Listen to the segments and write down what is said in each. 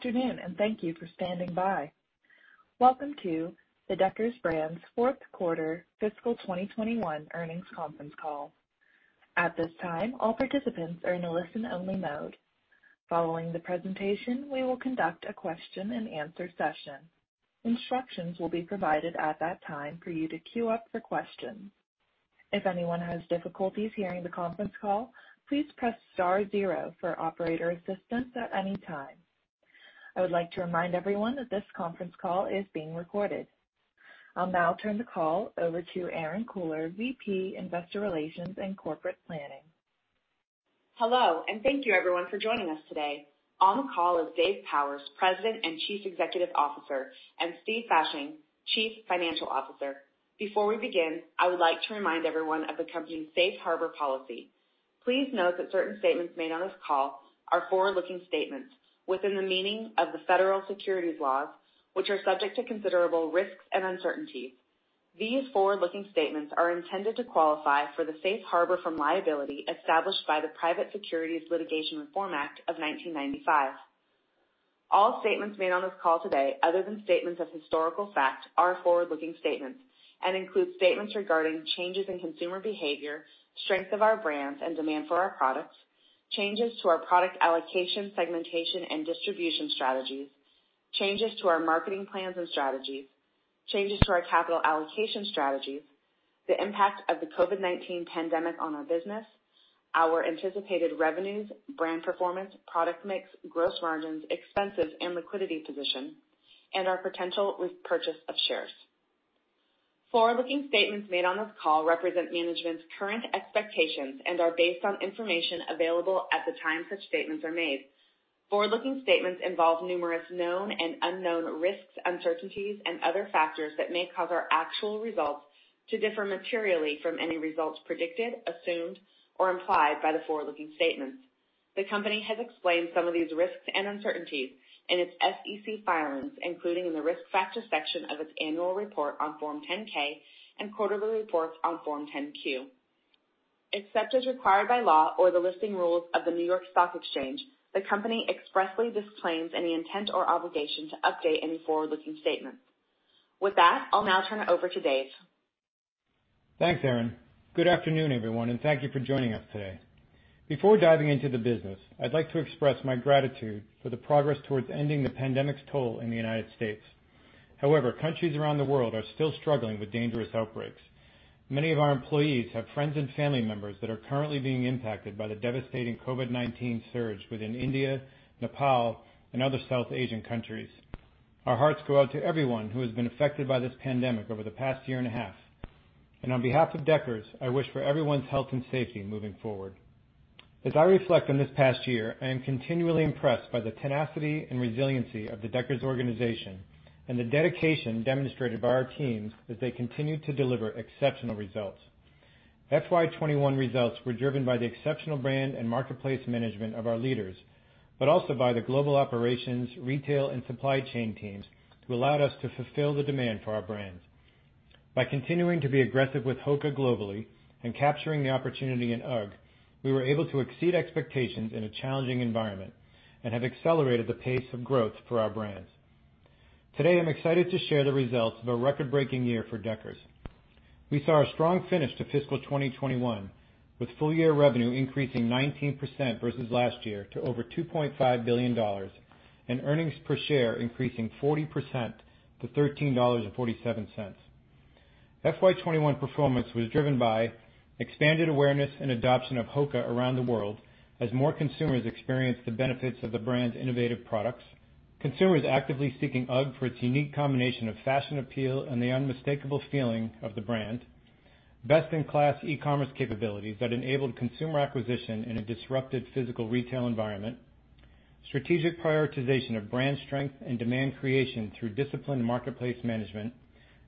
Good afternoon and thank you for standing by. Welcome to the Deckers Brands' Q4 fiscal 2021 earnings conference call. At this time, all participants are in listen only mode. Following the presentation, we will conduct a question-and-answer session. Instructions will be provided at that time for you to queue up for questions. If anyone has difficulties hearing the conference call, please press star zero for operator assistance at any time. I would like to remind everyone that this conference call is being recorded. I'll now turn the call over to Erinn Kohler, VP, Investor Relations and Corporate Planning. Hello, and thank you everyone for joining us today. On the call is Dave Powers, President and Chief Executive Officer, and Steve Fasching, Chief Financial Officer. Before we begin, I would like to remind everyone of the company's Safe Harbor Policy. Please note that certain statements made on this call are forward-looking statements within the meaning of the federal securities laws, which are subject to considerable risks and uncertainties. These forward-looking statements are intended to qualify for the safe harbor from liability established by the Private Securities Litigation Reform Act of 1995. All statements made on this call today, other than statements of historical fact, are forward-looking statements and include statements regarding changes in consumer behavior, strength of our brands, and demand for our products, changes to our product allocation, segmentation, and distribution strategies, changes to our marketing plans and strategies, changes to our capital allocation strategies, the impact of the COVID-19 pandemic on our business, our anticipated revenues, brand performance, product mix, gross margins, expenses, and liquidity position, and our potential repurchase of shares. Forward-looking statements made on this call represent management's current expectations and are based on information available at the time such statements are made. Forward-looking statements involve numerous known and unknown risks, uncertainties, and other factors that may cause our actual results to differ materially from any results predicted, assumed, or implied by the forward-looking statements. The company has explained some of these risks and uncertainties in its SEC filings, including in the Risk Factors section of its annual report on Form 10-K and quarterly reports on Form 10-Q. Except as required by law or the listing rules of the New York Stock Exchange, the company expressly disclaims any intent or obligation to update any forward-looking statements. With that, I'll now turn it over to Dave. Thanks, Erinn. Good afternoon, everyone. Thank you for joining us today. Before diving into the business, I'd like to express my gratitude for the progress towards ending the pandemic's toll in the U.S. Countries around the world are still struggling with dangerous outbreaks. Many of our employees have friends and family members that are currently being impacted by the devastating COVID-19 surge within India, Nepal, and other South Asian countries. Our hearts go out to everyone who has been affected by this pandemic over the past year and a half. On behalf of Deckers, I wish for everyone's health and safety moving forward. As I reflect on this past year, I am continually impressed by the tenacity and resiliency of the Deckers organization and the dedication demonstrated by our teams as they continue to deliver exceptional results. FY 2021 results were driven by the exceptional brand and marketplace management of our leaders, but also by the global operations, retail, and supply chain teams who allowed us to fulfill the demand for our brands. By continuing to be aggressive with HOKA globally and capturing the opportunity in UGG, we were able to exceed expectations in a challenging environment and have accelerated the pace of growth for our brands. Today, I'm excited to share the results of a record-breaking year for Deckers. We saw a strong finish to fiscal 2021, with full-year revenue increasing 19% versus last year to over $2.5 billion and earnings per share increasing 40% to $13.47. FY 2021 performance was driven by expanded awareness and adoption of HOKA around the world as more consumers experienced the benefits of the brand's innovative products. Consumers actively seeking UGG for its unique combination of fashion appeal and the unmistakable feeling of the brand, best-in-class e-commerce capabilities that enabled consumer acquisition in a disrupted physical retail environment, strategic prioritization of brand strength and demand creation through disciplined marketplace management,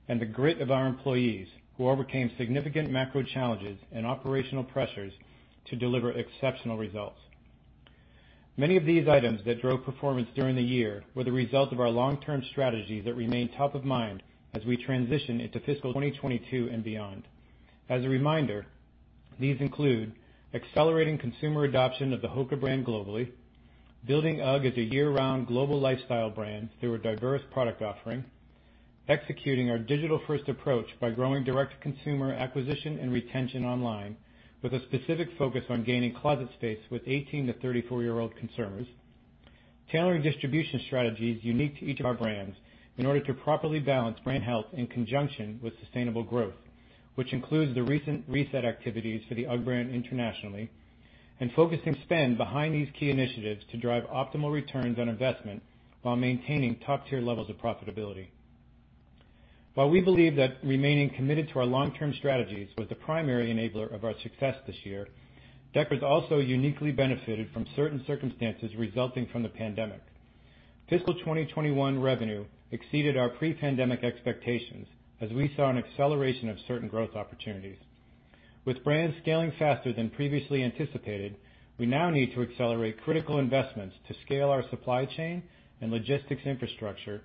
and the grit of our employees who overcame significant macro challenges and operational pressures to deliver exceptional results. Many of these items that drove performance during the year were the result of our long-term strategies that remain top of mind as we transition into fiscal 2022 and beyond. As a reminder, these include accelerating consumer adoption of the HOKA brand globally, building UGG as a year-round global lifestyle brand through a diverse product offering, executing our digital-first approach by growing direct consumer acquisition and retention online with a specific focus on gaining closet space with 18-34-year-old consumers, tailoring distribution strategies unique to each of our brands in order to properly balance brand health in conjunction with sustainable growth, which includes the recent reset activities for the UGG brand internationally, and focusing spend behind these key initiatives to drive optimal returns on investment while maintaining top-tier levels of profitability. While we believe that remaining committed to our long-term strategies was the primary enabler of our success this year, Deckers also uniquely benefited from certain circumstances resulting from the pandemic. Fiscal 2021 revenue exceeded our pre-pandemic expectations as we saw an acceleration of certain growth opportunities. With brands scaling faster than previously anticipated, we now need to accelerate critical investments to scale our supply chain and logistics infrastructure,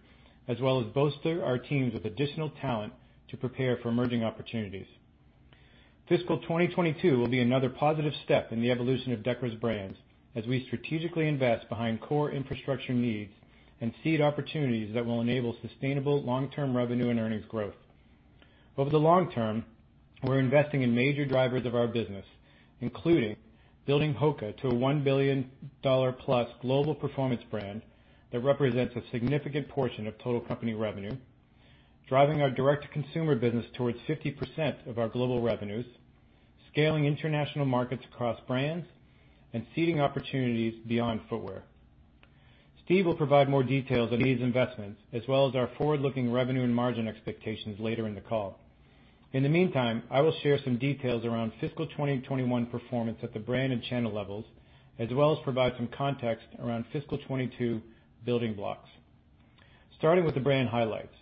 as well as bolster our teams with additional talent to prepare for emerging opportunities. Fiscal 2022 will be another positive step in the evolution of Deckers Brands as we strategically invest behind core infrastructure needs and seed opportunities that will enable sustainable long-term revenue and earnings growth. Over the long term, we're investing in major drivers of our business, including building HOKA to a $1 billion plus global performance brand that represents a significant portion of total company revenue, driving our direct-to-consumer business towards 50% of our global revenues, scaling international markets across brands, and seeing opportunities beyond footwear. Steve will provide more details on these investments as well as our forward-looking revenue and margin expectations later in the call. In the meantime, I will share some details around fiscal 2021 performance at the brand and channel levels, as well as provide some context around fiscal 2022 building blocks. Starting with the brand highlights.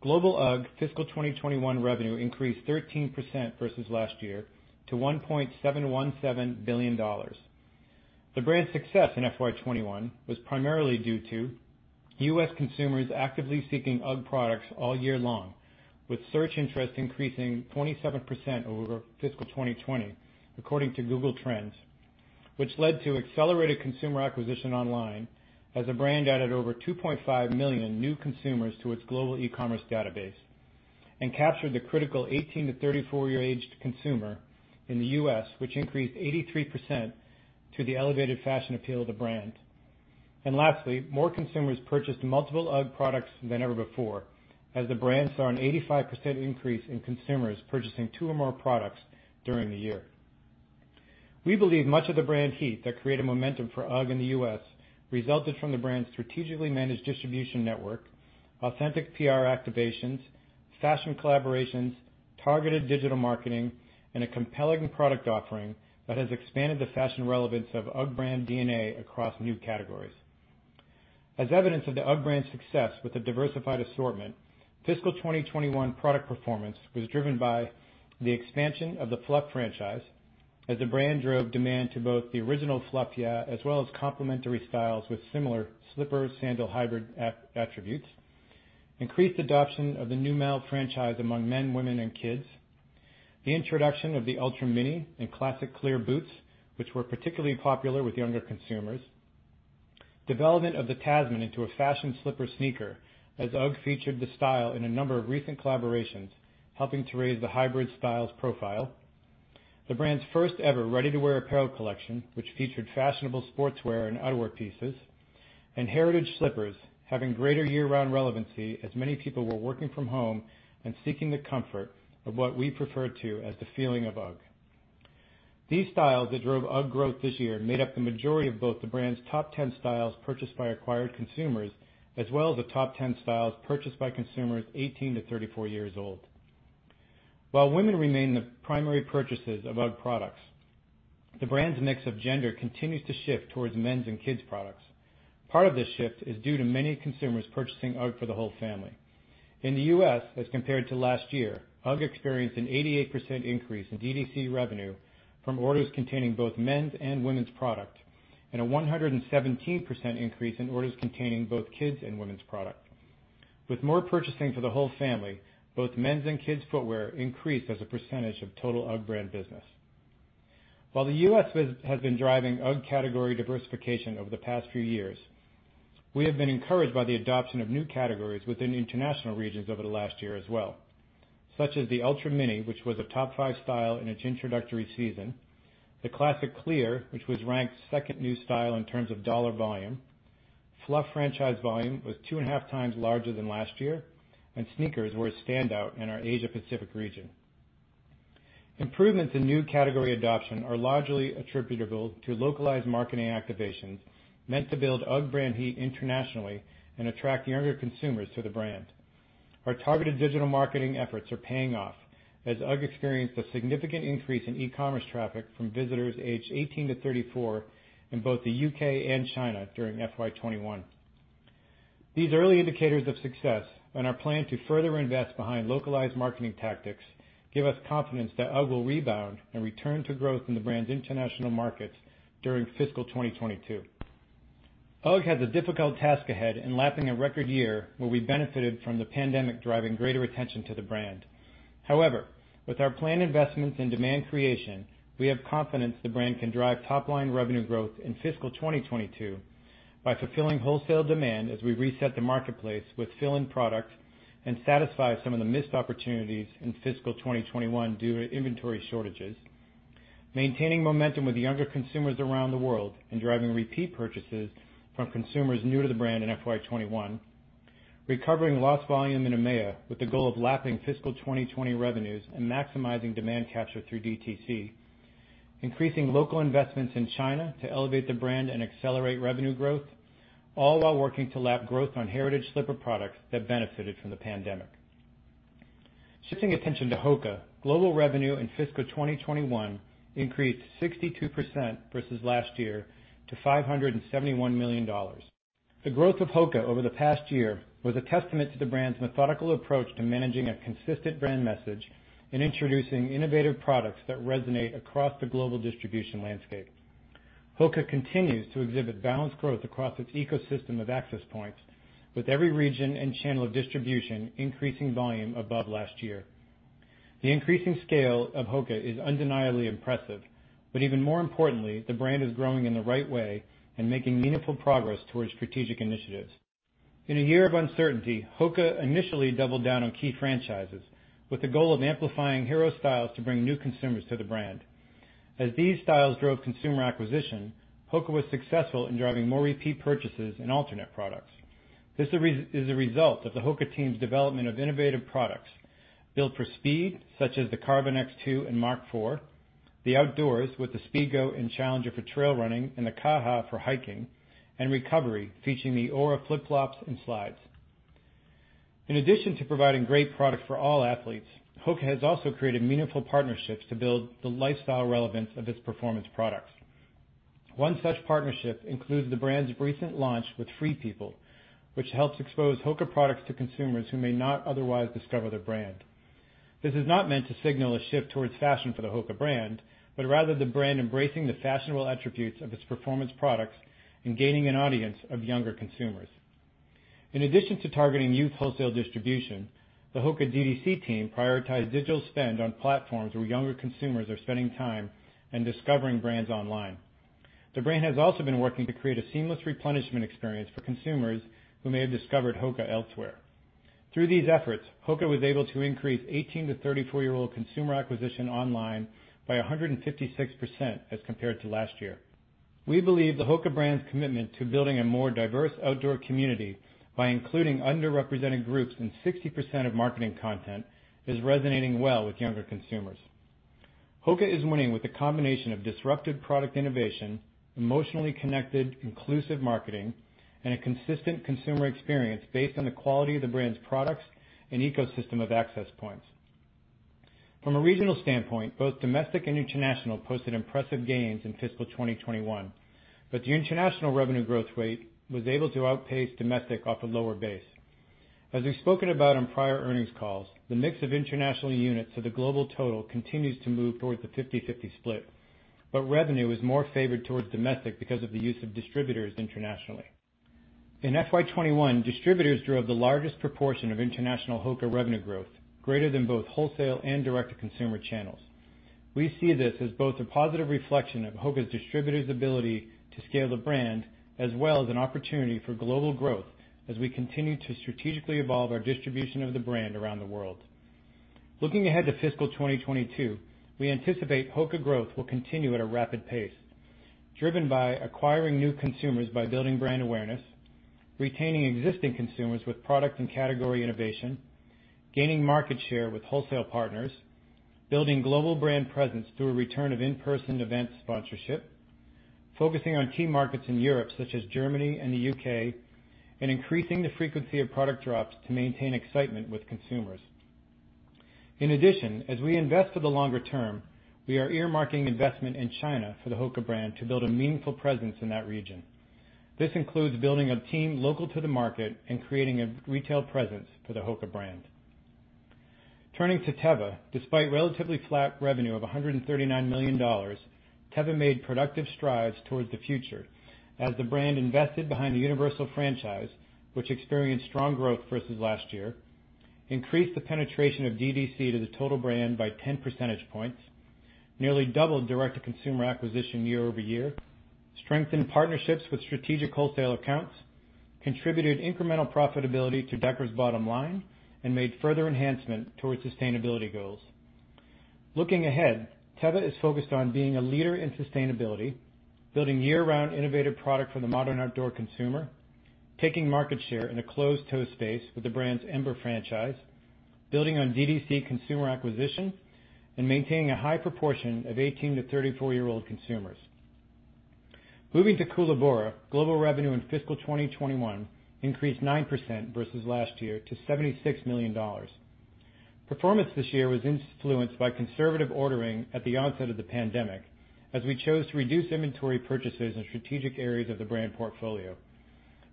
Global UGG fiscal 2021 revenue increased 13% versus last year to $1.717 billion. The brand's success in fiscal 2021 was primarily due to U.S. consumers actively seeking UGG products all year long, with search interest increasing 27% over fiscal 2020 according to Google Trends, which led to accelerated consumer acquisition online as the brand added over 2.5 million new consumers to its global e-commerce database and captured the critical 18-34-year-aged consumer in the U.S., which increased 83% to the elevated fashion appeal of the brand. Lastly, more consumers purchased multiple UGG products than ever before as the brand saw an 85% increase in consumers purchasing two or more products during the year. We believe much of the brand heat that created momentum for UGG in the U.S. resulted from the brand's strategically managed distribution network, authentic PR activations, fashion collaborations, targeted digital marketing, and a compelling product offering that has expanded the fashion relevance of UGG brand DNA across new categories. As evidence of the UGG brand success with a diversified assortment, fiscal 2021 product performance was driven by the expansion of the Fluff franchise as the brand drove demand to both the original Fluff Yeah as well as complementary styles with similar slipper sandal hybrid attributes. Increased adoption of the Neumel franchise among men, women, and kids. The introduction of the Ultra Mini and Classic Clear boots, which were particularly popular with younger consumers. Development of the Tasman into a fashion slipper sneaker as UGG featured the style in a number of recent collaborations, helping to raise the hybrid style's profile. The brand's first ever ready-to-wear apparel collection, which featured fashionable sportswear and outerwear pieces and heritage slippers having greater year-round relevancy as many people were working from home and seeking the comfort of what we refer to as the feeling of UGG. These styles that drove UGG growth this year made up the majority of both the brand's top 10 styles purchased by acquired consumers, as well as the top 10 styles purchased by consumers 18-34 years old. While women remain the primary purchasers of UGG products, the brand's mix of gender continues to shift towards men's and kids' products. Part of this shift is due to many consumers purchasing UGG for the whole family. In the U.S. as compared to last year, UGG experienced an 88% increase in DTC revenue from orders containing both men's and women's product, and a 117% increase in orders containing both kids' and women's product. With more purchasing for the whole family, both men's and kids' footwear increased as a percentage of total UGG brand business. While the U.S. has been driving UGG category diversification over the past few years, we have been encouraged by the adoption of new categories within the international regions over the last year as well, such as the Ultra Mini, which was a top five style in its introductory season, the Classic Clear, which was ranked second new style in terms of dollar volume. Fluff franchise volume was two and a half times larger than last year, and sneakers were a standout in our Asia-Pacific region. Improvements in new category adoption are largely attributable to localized marketing activations meant to build UGG brand heat internationally and attract younger consumers to the brand. Our targeted digital marketing efforts are paying off as UGG experienced a significant increase in e-commerce traffic from visitors aged 18-34 in both the U.K. and China during FY 2021. These early indicators of success and our plan to further invest behind localized marketing tactics give us confidence that UGG will rebound and return to growth in the brand's international markets during fiscal 2022. UGG has a difficult task ahead in lapping a record year where we benefited from the pandemic driving greater attention to the brand. However, with our planned investments in demand creation, we have confidence the brand can drive top-line revenue growth in fiscal 2022 by fulfilling wholesale demand as we reset the marketplace with fill-in product and satisfy some of the missed opportunities in fiscal 2021 due to inventory shortages. Maintaining momentum with younger consumers around the world and driving repeat purchases from consumers new to the brand in FY 2021. Recovering lost volume in EMEA with the goal of lapping fiscal 2020 revenues and maximizing demand capture through DTC. Increasing local investments in China to elevate the brand and accelerate revenue growth, all while working to lap growth on heritage slipper products that benefited from the pandemic. Shifting attention to HOKA. Global revenue in fiscal 2021 increased 62% versus last year to $571 million. The growth of HOKA over the past year was a testament to the brand's methodical approach to managing a consistent brand message and introducing innovative products that resonate across the global distribution landscape. HOKA continues to exhibit balanced growth across its ecosystem of access points with every region and channel distribution increasing volume above last year. The increasing scale of HOKA is undeniably impressive, but even more importantly, the brand is growing in the right way and making meaningful progress towards strategic initiatives. In a year of uncertainty, HOKA initially doubled down on key franchises with the goal of amplifying hero styles to bring new consumers to the brand. As these styles drove consumer acquisition, HOKA was successful in driving more repeat purchases in alternate products. This is a result of the HOKA team's development of innovative products built for speed, such as the Carbon X 2 and Mach 4, the outdoors with the Speedgo and Challenger for trail running and the Kaha for hiking, and recovery, featuring the Ora flip-flops and slides. In addition to providing great products for all athletes, HOKA has also created meaningful partnerships to build the lifestyle relevance of its performance products. One such partnership includes the brand's recent launch with Free People, which helps expose HOKA products to consumers who may not otherwise discover the brand. This is not meant to signal a shift towards fashion for the HOKA brand, but rather the brand embracing the fashionable attributes of its performance products and gaining an audience of younger consumers. In addition to targeting new wholesale distribution, the HOKA DTC team prioritized digital spend on platforms where younger consumers are spending time and discovering brands online. The brand has also been working to create a seamless replenishment experience for consumers who may have discovered HOKA elsewhere. Through these efforts, HOKA was able to increase 18-34-year-old consumer acquisition online by 156% as compared to last year. We believe the HOKA brand's commitment to building a more diverse outdoor community by including underrepresented groups in 60% of marketing content is resonating well with younger consumers. HOKA is winning with a combination of disruptive product innovation, emotionally connected inclusive marketing, and a consistent consumer experience based on the quality of the brand's products and ecosystem of access points. From a regional standpoint, both domestic and international posted impressive gains in fiscal 2021. The international revenue growth rate was able to outpace domestic off a lower base. As we've spoken about on prior earnings calls, the mix of international units to the global total continues to move towards a 50/50 split, but revenue is more favored towards domestic because of the use of distributors internationally. In FY 2021, distributors drove the largest proportion of international HOKA revenue growth, greater than both wholesale and direct-to-consumer channels. We see this as both a positive reflection of HOKA's distributors' ability to scale the brand, as well as an opportunity for global growth as we continue to strategically evolve our distribution of the brand around the world. Looking ahead to fiscal 2022, we anticipate HOKA growth will continue at a rapid pace, driven by acquiring new consumers by building brand awareness, retaining existing consumers with product and category innovation, gaining market share with wholesale partners, building global brand presence through a return of in-person event sponsorship, focusing on key markets in Europe, such as Germany and the U.K., and increasing the frequency of product drops to maintain excitement with consumers. In addition, as we invest for the longer term, we are earmarking investment in China for the HOKA brand to build a meaningful presence in that region. This includes building a team local to the market and creating a retail presence for the HOKA brand. Turning to Teva, despite relatively flat revenue of $139 million, Teva made productive strides towards the future as the brand invested behind the Universal franchise, which experienced strong growth versus last year, increased the penetration of DTC to the total brand by 10 percentage points, nearly doubled direct-to-consumer acquisition year-over-year, strengthened partnerships with strategic wholesale accounts, contributed incremental profitability to Deckers' bottom line, and made further enhancement towards sustainability goals. Looking ahead, Teva is focused on being a leader in sustainability, building year-round innovative product for the modern outdoor consumer, taking market share in a closed toe space with the brand's Ember franchise, building on DTC consumer acquisition, and maintaining a high proportion of 18-34-year-old consumers. Moving to Koolaburra, global revenue in fiscal 2021 increased 9% versus last year to $76 million. Performance this year was influenced by conservative ordering at the onset of the pandemic, as we chose to reduce inventory purchases in strategic areas of the brand portfolio.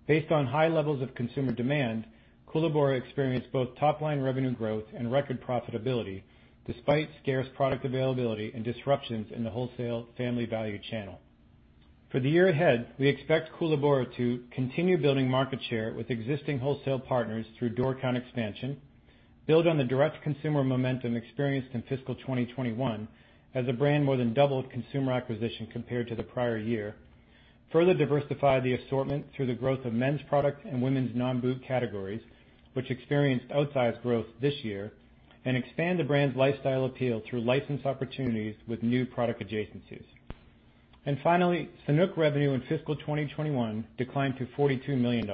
Based on high levels of consumer demand, Koolaburra experienced both top-line revenue growth and record profitability, despite scarce product availability and disruptions in the wholesale family value channel. For the year ahead, we expect Koolaburra to continue building market share with existing wholesale partners through door count expansion, build on the direct consumer momentum experienced in fiscal 2021, as the brand more than doubled consumer acquisition compared to the prior year, further diversify the assortment through the growth of men's product and women's non-boot categories, which experienced outsized growth this year, and expand the brand's lifestyle appeal through license opportunities with new product adjacencies. Finally, Sanuk revenue in fiscal 2021 declined to $42 million.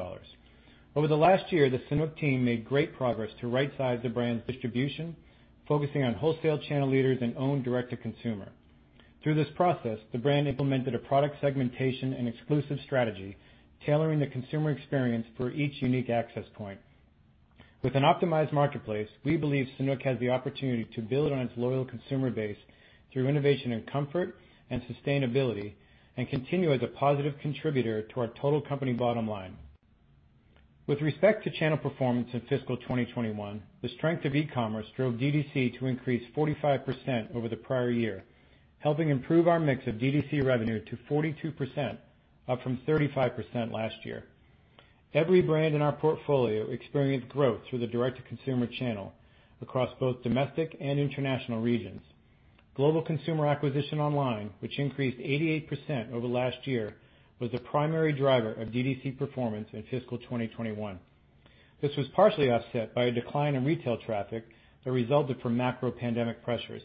Over the last year, the Sanuk team made great progress to right size the brand's distribution, focusing on wholesale channel leaders and own direct-to-consumer. Through this process, the brand implemented a product segmentation and exclusive strategy, tailoring the consumer experience for each unique access point. With an optimized marketplace, we believe Sanuk has the opportunity to build on its loyal consumer base through innovation and comfort and sustainability and continue as a positive contributor to our total company bottom line. With respect to channel performance in fiscal 2021, the strength of e-commerce drove DTC to increase 45% over the prior year, helping improve our mix of DTC revenue to 42%, up from 35% last year. Every brand in our portfolio experienced growth through the direct-to-consumer channel across both domestic and international regions. Global consumer acquisition online, which increased 88% over last year, was the primary driver of DTC performance in fiscal 2021. This was partially offset by a decline in retail traffic that resulted from macro pandemic pressures.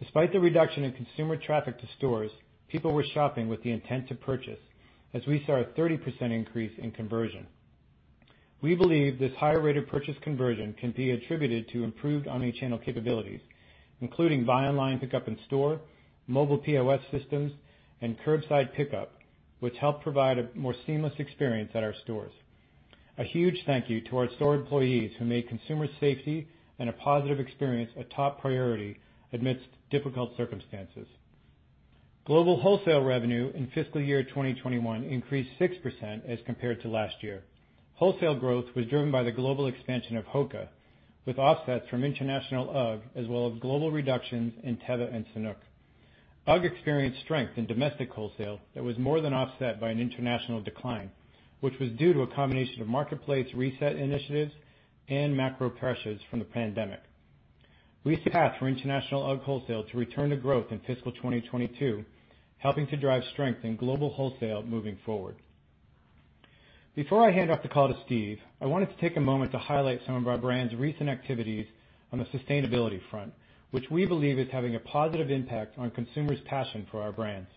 Despite the reduction in consumer traffic to stores, people were shopping with the intent to purchase, as we saw a 30% increase in conversion. We believe this higher rate of purchase conversion can be attributed to improved omni-channel capabilities, including buy online pickup in store, mobile POS systems, and curbside pickup, which help provide a more seamless experience at our stores. A huge thank you to our store employees who made consumer safety and a positive experience a top priority amidst difficult circumstances. Global wholesale revenue in fiscal year 2021 increased 6% as compared to last year. Wholesale growth was driven by the global expansion of HOKA, with offsets from international UGG, as well as global reductions in Teva and Sanuk. UGG experienced strength in domestic wholesale that was more than offset by an international decline, which was due to a combination of marketplace reset initiatives and macro pressures from the pandemic. We expect for international UGG wholesale to return to growth in fiscal 2022, helping to drive strength in global wholesale moving forward. Before I hand off the call to Steve, I wanted to take a moment to highlight some of our brand's recent activities on the sustainability front, which we believe is having a positive impact on consumers' passion for our brands.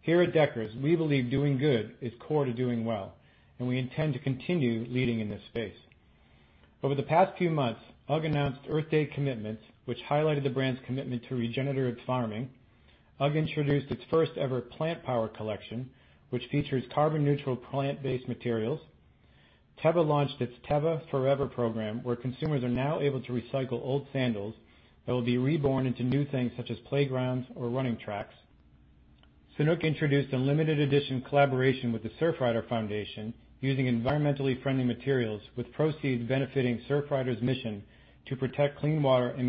Here at Deckers, we believe doing good is core to doing well, and we intend to continue leading in this space. Over the past few months, UGG announced Earth Day commitments, which highlighted the brand's commitment to regenerative farming. UGG introduced its first-ever Plant Power collection, which features carbon-neutral plant-based materials. Teva launched its TevaForever program, where consumers are now able to recycle old sandals that will be reborn into new things such as playgrounds or running tracks. Sanuk introduced a limited-edition collaboration with the Surfrider Foundation using environmentally friendly materials, with proceeds benefiting Surfrider's mission to protect clean water and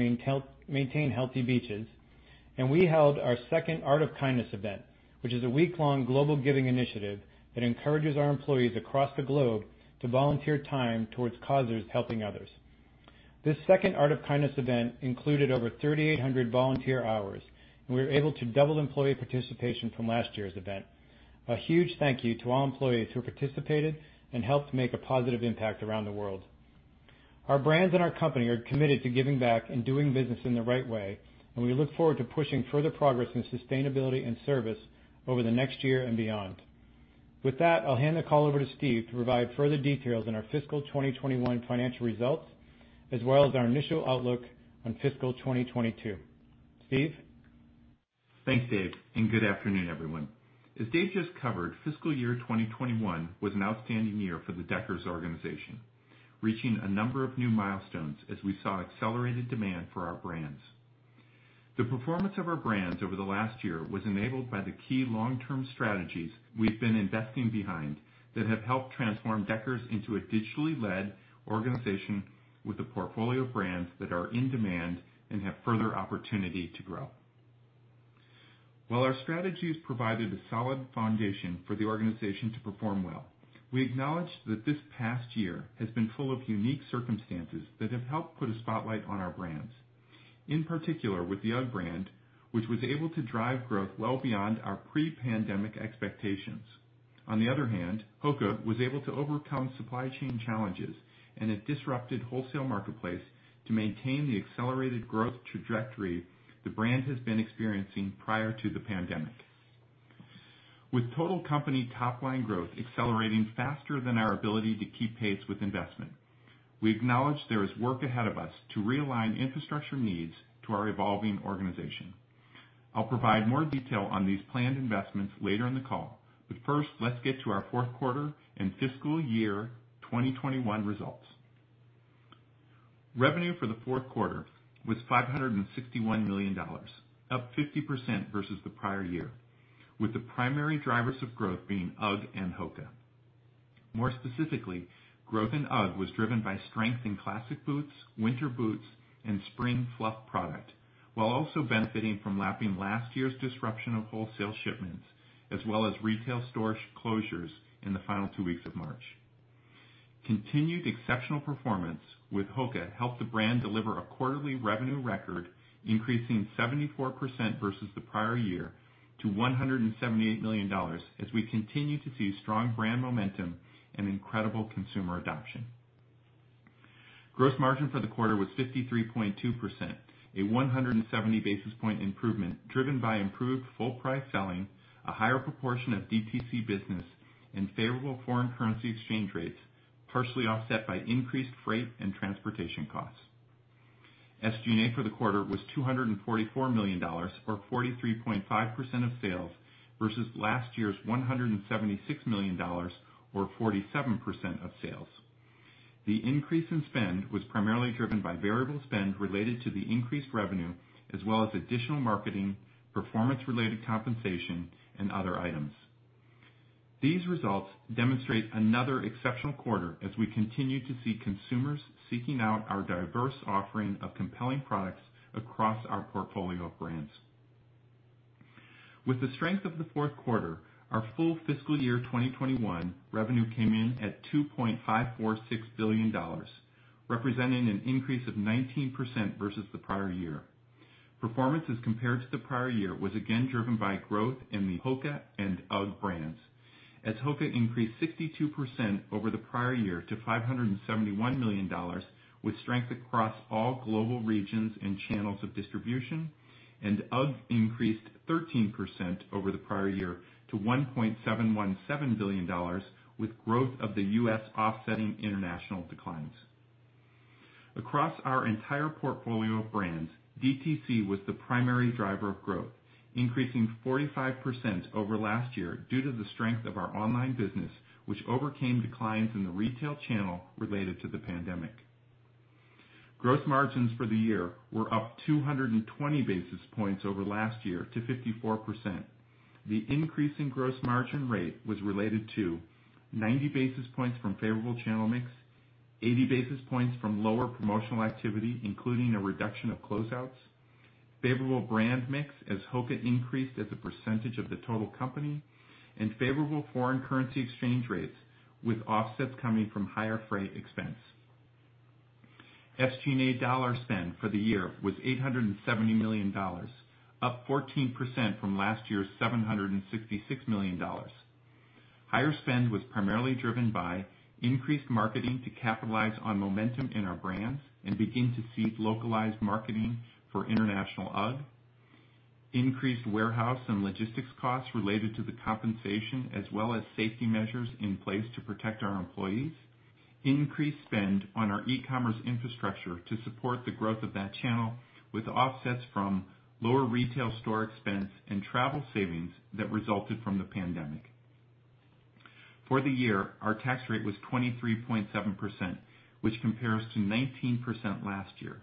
maintain healthy beaches. We held our second Art of Kindness event, which is a week-long global giving initiative that encourages our employees across the globe to volunteer time towards causes helping others. This second Art of Kindness event included over 3,800 volunteer hours, and we were able to double employee participation from last year's event. A huge thank you to all employees who participated and helped make a positive impact around the world. Our brands and our company are committed to giving back and doing business in the right way, and we look forward to pushing further progress in sustainability and service over the next year and beyond. With that, I'll hand the call over to Steve to provide further details on our fiscal 2021 financial results, as well as our initial outlook on fiscal 2022. Steve? Thanks, Dave, and good afternoon, everyone. As Dave just covered, fiscal year 2021 was an outstanding year for the Deckers organization, reaching a number of new milestones as we saw accelerated demand for our brands. The performance of our brands over the last year was enabled by the key long-term strategies we've been investing behind that have helped transform Deckers into a digitally led organization with a portfolio of brands that are in demand and have further opportunity to grow. While our strategies provided a solid foundation for the organization to perform well, we acknowledge that this past year has been full of unique circumstances that have helped put a spotlight on our brands, in particular with the UGG brand, which was able to drive growth well beyond our pre-pandemic expectations. On the other hand, HOKA was able to overcome supply chain challenges and a disrupted wholesale marketplace to maintain the accelerated growth trajectory the brand has been experiencing prior to the pandemic. With total company top-line growth accelerating faster than our ability to keep pace with investment, we acknowledge there is work ahead of us to realign infrastructure needs to our evolving organization. I'll provide more detail on these planned investments later in the call, but first, let's get to our Q4 and fiscal year 2021 results. Revenue for the Q4 was $561 million, up 50% versus the prior year, with the primary drivers of growth being UGG and HOKA. More specifically, growth in UGG was driven by strength in classic boots, winter boots, and spring Fluff product, while also benefiting from lapping last year's disruption of wholesale shipments as well as retail store closures in the final two weeks of March. Continued exceptional performance with HOKA helped the brand deliver a quarterly revenue record, increasing 74% versus the prior year to $178 million as we continue to see strong brand momentum and incredible consumer adoption. Gross margin for the quarter was 53.2%, a 170-basis point improvement driven by improved full price selling, a higher proportion of DTC business, and favorable foreign currency exchange rates, partially offset by increased freight and transportation costs. SG&A for the quarter was $244 million or 43.5% of sales versus last year's $176 million or 47% of sales. The increase in spend was primarily driven by variable spend related to the increased revenue, as well as additional marketing, performance-related compensation, and other items. These results demonstrate another exceptional quarter as we continue to see consumers seeking out our diverse offering of compelling products across our portfolio of brands. With the strength of the Q4, our full fiscal year 2021 revenue came in at $2.546 billion, representing an increase of 19% versus the prior year. Performance as compared to the prior year was again driven by growth in the HOKA and UGG brands, as HOKA increased 62% over the prior year to $571 million, with strength across all global regions and channels of distribution, and UGG increased 13% over the prior year to $1.717 billion, with growth of the U.S. offsetting international declines. Across our entire portfolio of brands, DTC was the primary driver of growth, increasing 45% over last year due to the strength of our online business, which overcame declines in the retail channel related to the pandemic. Gross margins for the year were up 220-basis points over last year to 54%. The increase in gross margin rate was related to 90-basis points from favorable channel mix, 80-basis points from lower promotional activity, including a reduction of closeouts, favorable brand mix as HOKA increased as a percentage of the total company, and favorable foreign currency exchange rates, with offsets coming from higher freight expense. SG&A dollar spend for the year was $870 million, up 14% from last year's $766 million. Higher spend was primarily driven by increased marketing to capitalize on momentum in our brands and begin to seed localized marketing for international UGG, increased warehouse and logistics costs related to the compensation, as well as safety measures in place to protect our employees, increased spend on our e-commerce infrastructure to support the growth of that channel, with offsets from lower retail store expense and travel savings that resulted from the pandemic. For the year, our tax rate was 23.7%, which compares to 19% last year.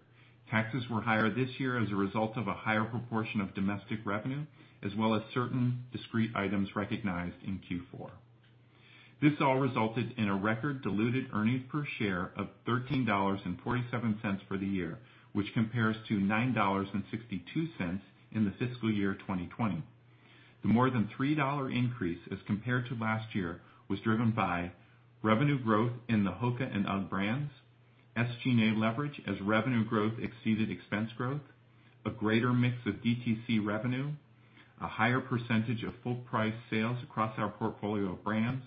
Taxes were higher this year as a result of a higher proportion of domestic revenue, as well as certain discrete items recognized in Q4. This all resulted in record diluted earnings per share of $13.47 for the year, which compares to $9.62 in the fiscal year 2020. The more than $3 increase as compared to last year was driven by revenue growth in the HOKA and UGG brands, SG&A leverage as revenue growth exceeded expense growth, a greater mix of DTC revenue, a higher % of full price sales across our portfolio of brands,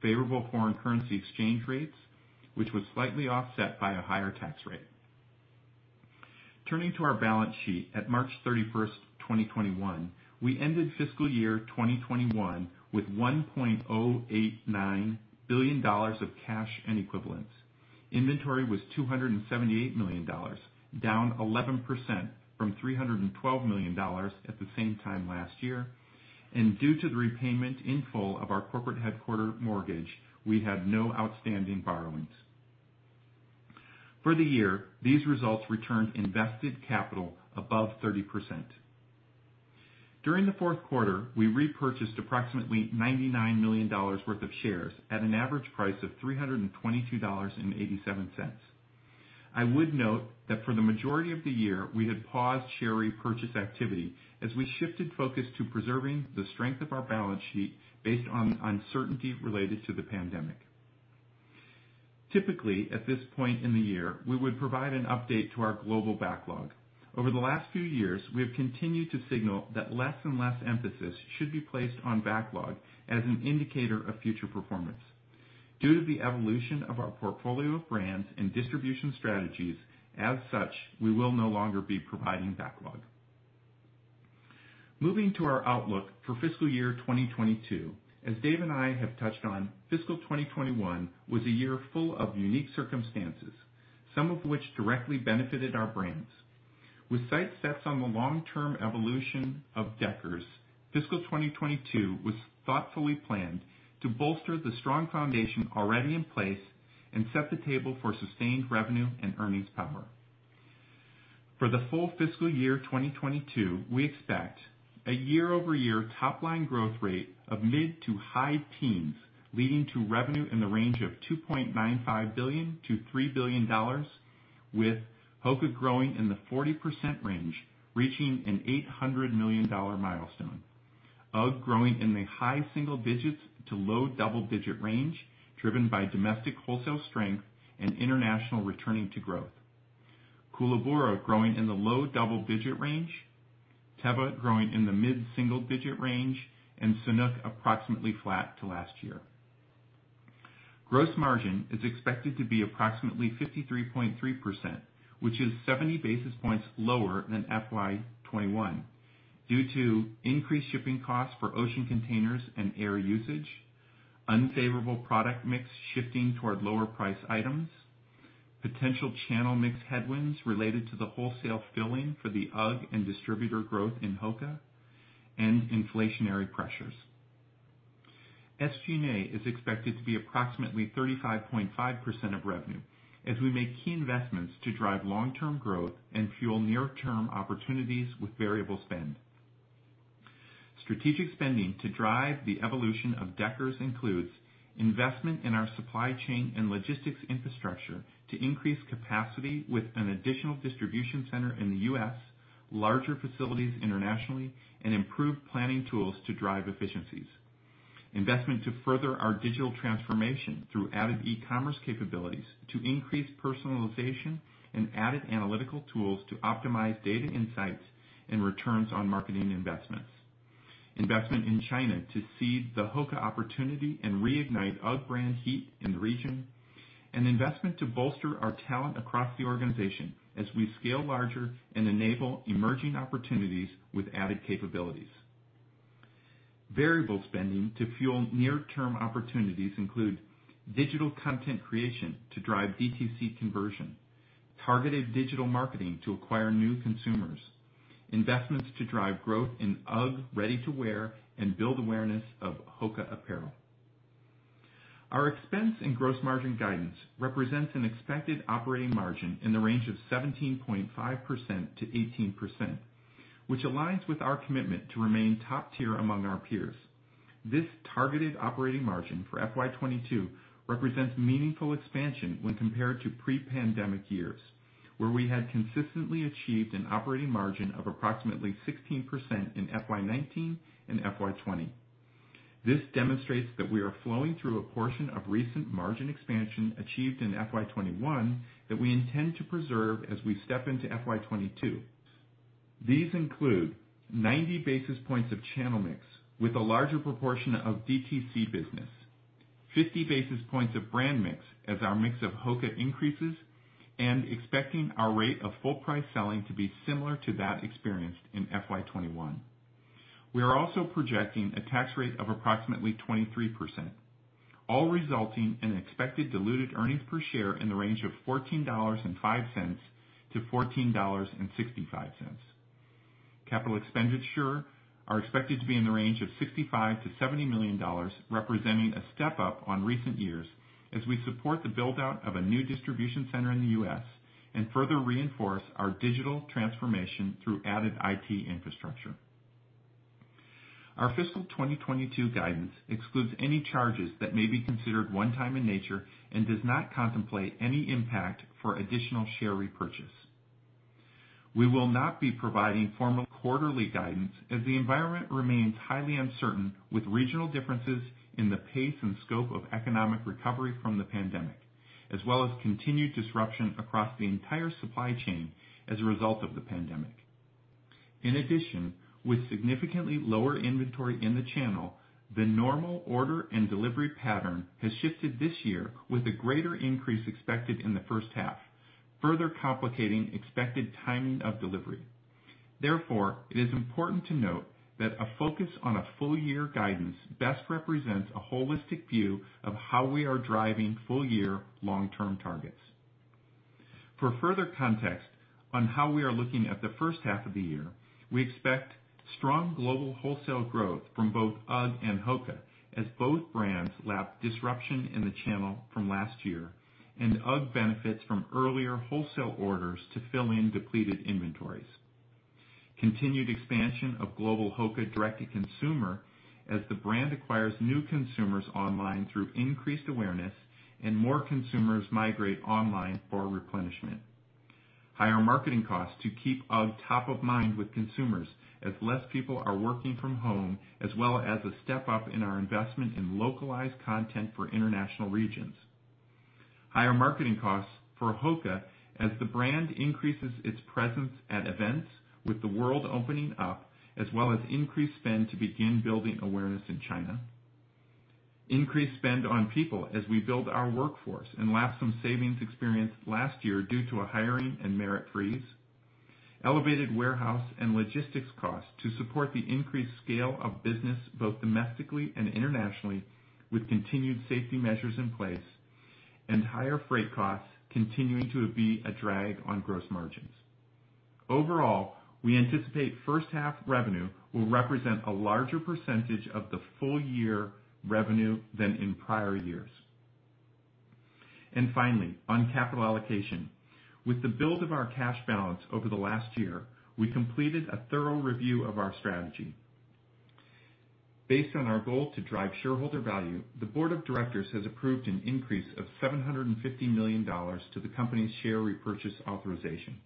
favorable foreign currency exchange rates, which was slightly offset by a higher tax rate. Turning to our balance sheet on March 31st, 2021, we ended fiscal year 2021 with $1.089 billion of cash and equivalents. Inventory was $278 million, down 11% from $312 million at the same time last year. Due to the repayment in full of our corporate headquarter mortgage, we have no outstanding borrowings. For the year, these results returned invested capital above 30%. During the Q4, we repurchased approximately $99 million worth of shares at an average price of $322.87. I would note that for the majority of the year, we had paused share repurchase activity as we shifted focus to preserving the strength of our balance sheet based on the uncertainty related to the pandemic. Typically, at this point in the year, we would provide an update to our global backlog. Over the last few years, we have continued to signal that less and less emphasis should be placed on backlog as an indicator of future performance. Due to the evolution of our portfolio of brands and distribution strategies, as such, we will no longer be providing backlog. Moving to our outlook for fiscal year 2022, as Dave and I have touched on, fiscal 2021 was a year full of unique circumstances, some of which directly benefited our brands. With sights set on the long-term evolution of Deckers, fiscal year 2022 was thoughtfully planned to bolster the strong foundation already in place and set the table for sustained revenue and earnings power. For the full fiscal year 2022, we expect a year-over-year top-line growth rate of mid to high teens, leading to revenue in the range of $2.95-$3 billion, with HOKA growing in the 40% range, reaching an $800 million milestone, UGG growing in the high single digits to low double-digit range, driven by domestic wholesale strength and international returning to growth, Koolaburra growing in the low double-digit range, Teva growing in the mid-single digit range, and Sanuk approximately flat to last year. Gross margin is expected to be approximately 53.3%, which is 70-basis points lower than FY 2021, due to increased shipping costs for ocean containers and air usage, unfavorable product mix shifting toward lower priced items, potential channel mix headwinds related to the wholesale filling for the UGG and distributor growth in HOKA, and inflationary pressures. SG&A is expected to be approximately 35.5% of revenue as we make key investments to drive long-term growth and fuel near-term opportunities with variable spend. Strategic spending to drive the evolution of Deckers includes investment in our supply chain and logistics infrastructure to increase capacity with an additional distribution center in the U.S., larger facilities internationally, and improved planning tools to drive efficiencies. Investment to further our digital transformation through added e-commerce capabilities to increase personalization and added analytical tools to optimize data insights and returns on marketing investments. Investment in China to seed the HOKA opportunity and reignite UGG brand heat in the region, and investment to bolster our talent across the organization as we scale larger and enable emerging opportunities with added capabilities. Variable spending to fuel near-term opportunities includes digital content creation to drive DTC conversion, targeted digital marketing to acquire new consumers, investments to drive growth in UGG ready-to-wear, and build awareness of HOKA apparel. Our expense and gross margin guidance represents an expected operating margin in the range of 17.5%-18%, which aligns with our commitment to remain top-tier among our peers. This targeted operating margin for FY 2022 represents meaningful expansion when compared to pre-pandemic years, where we had consistently achieved an operating margin of approximately 16% in FY 2019 and FY 2020. This demonstrates that we are flowing through a portion of recent margin expansion achieved in FY 2021 that we intend to preserve as we step into FY 2022. These include 90-basis points of channel mix with a larger proportion of DTC business, 50-basis points of brand mix as our mix of HOKA increases and expecting our rate of full price selling to be similar to that experienced in FY 2021. We are also projecting a tax rate of approximately 23%, all resulting in expected diluted earnings per share in the range of $14.05-$14.65. Capital expenditures are expected to be in the range of $65-$70 million, representing a step-up on recent years as we support the build-out of a new distribution center in the U.S. and further reinforce our digital transformation through added IT infrastructure. Our fiscal 2022 guidance excludes any charges that may be considered one-time in nature and does not contemplate any impact for additional share repurchase. We will not be providing formal quarterly guidance as the environment remains highly uncertain with regional differences in the pace and scope of economic recovery from the pandemic, as well as continued disruption across the entire supply chain as a result of the pandemic. In addition, with significantly lower inventory in the channel, the normal order and delivery pattern has shifted this year with a greater increase expected in the H1, further complicating expected timing of delivery. Therefore, it is important to note that a focus on a full-year guidance best represents a holistic view of how we are driving full-year long-term targets. For further context on how we are looking at the H1 of the year, we expect strong global wholesale growth from both UGG and HOKA as both brands lap disruption in the channel from last year, and UGG benefits from earlier wholesale orders to fill in depleted inventories. Continued expansion of global HOKA direct-to-consumer as the brand acquires new consumers online through increased awareness and more consumers migrate online for replenishment. Higher marketing costs to keep UGG top of mind with consumers as less people are working from home, as well as a step-up in our investment in localized content for international regions. Higher marketing costs for HOKA as the brand increases its presence at events with the world opening up, as well as increased spend to begin building awareness in China. Increased spend on people as we build our workforce and lapse some savings experienced last year due to a hiring and merit freeze. Elevated warehouse and logistics costs to support the increased scale of business both domestically and internationally with continued safety measures in place, and higher freight costs continuing to be a drag on gross margins. Overall, we anticipate H1 revenue will represent a larger percentage of the full year revenue than in prior years. Finally, on capital allocation. With the build of our cash balance over the last year, we completed a thorough review of our strategy. Based on our goal to drive shareholder value, the board of directors has approved an increase of $750 million to the company's share repurchase authorization.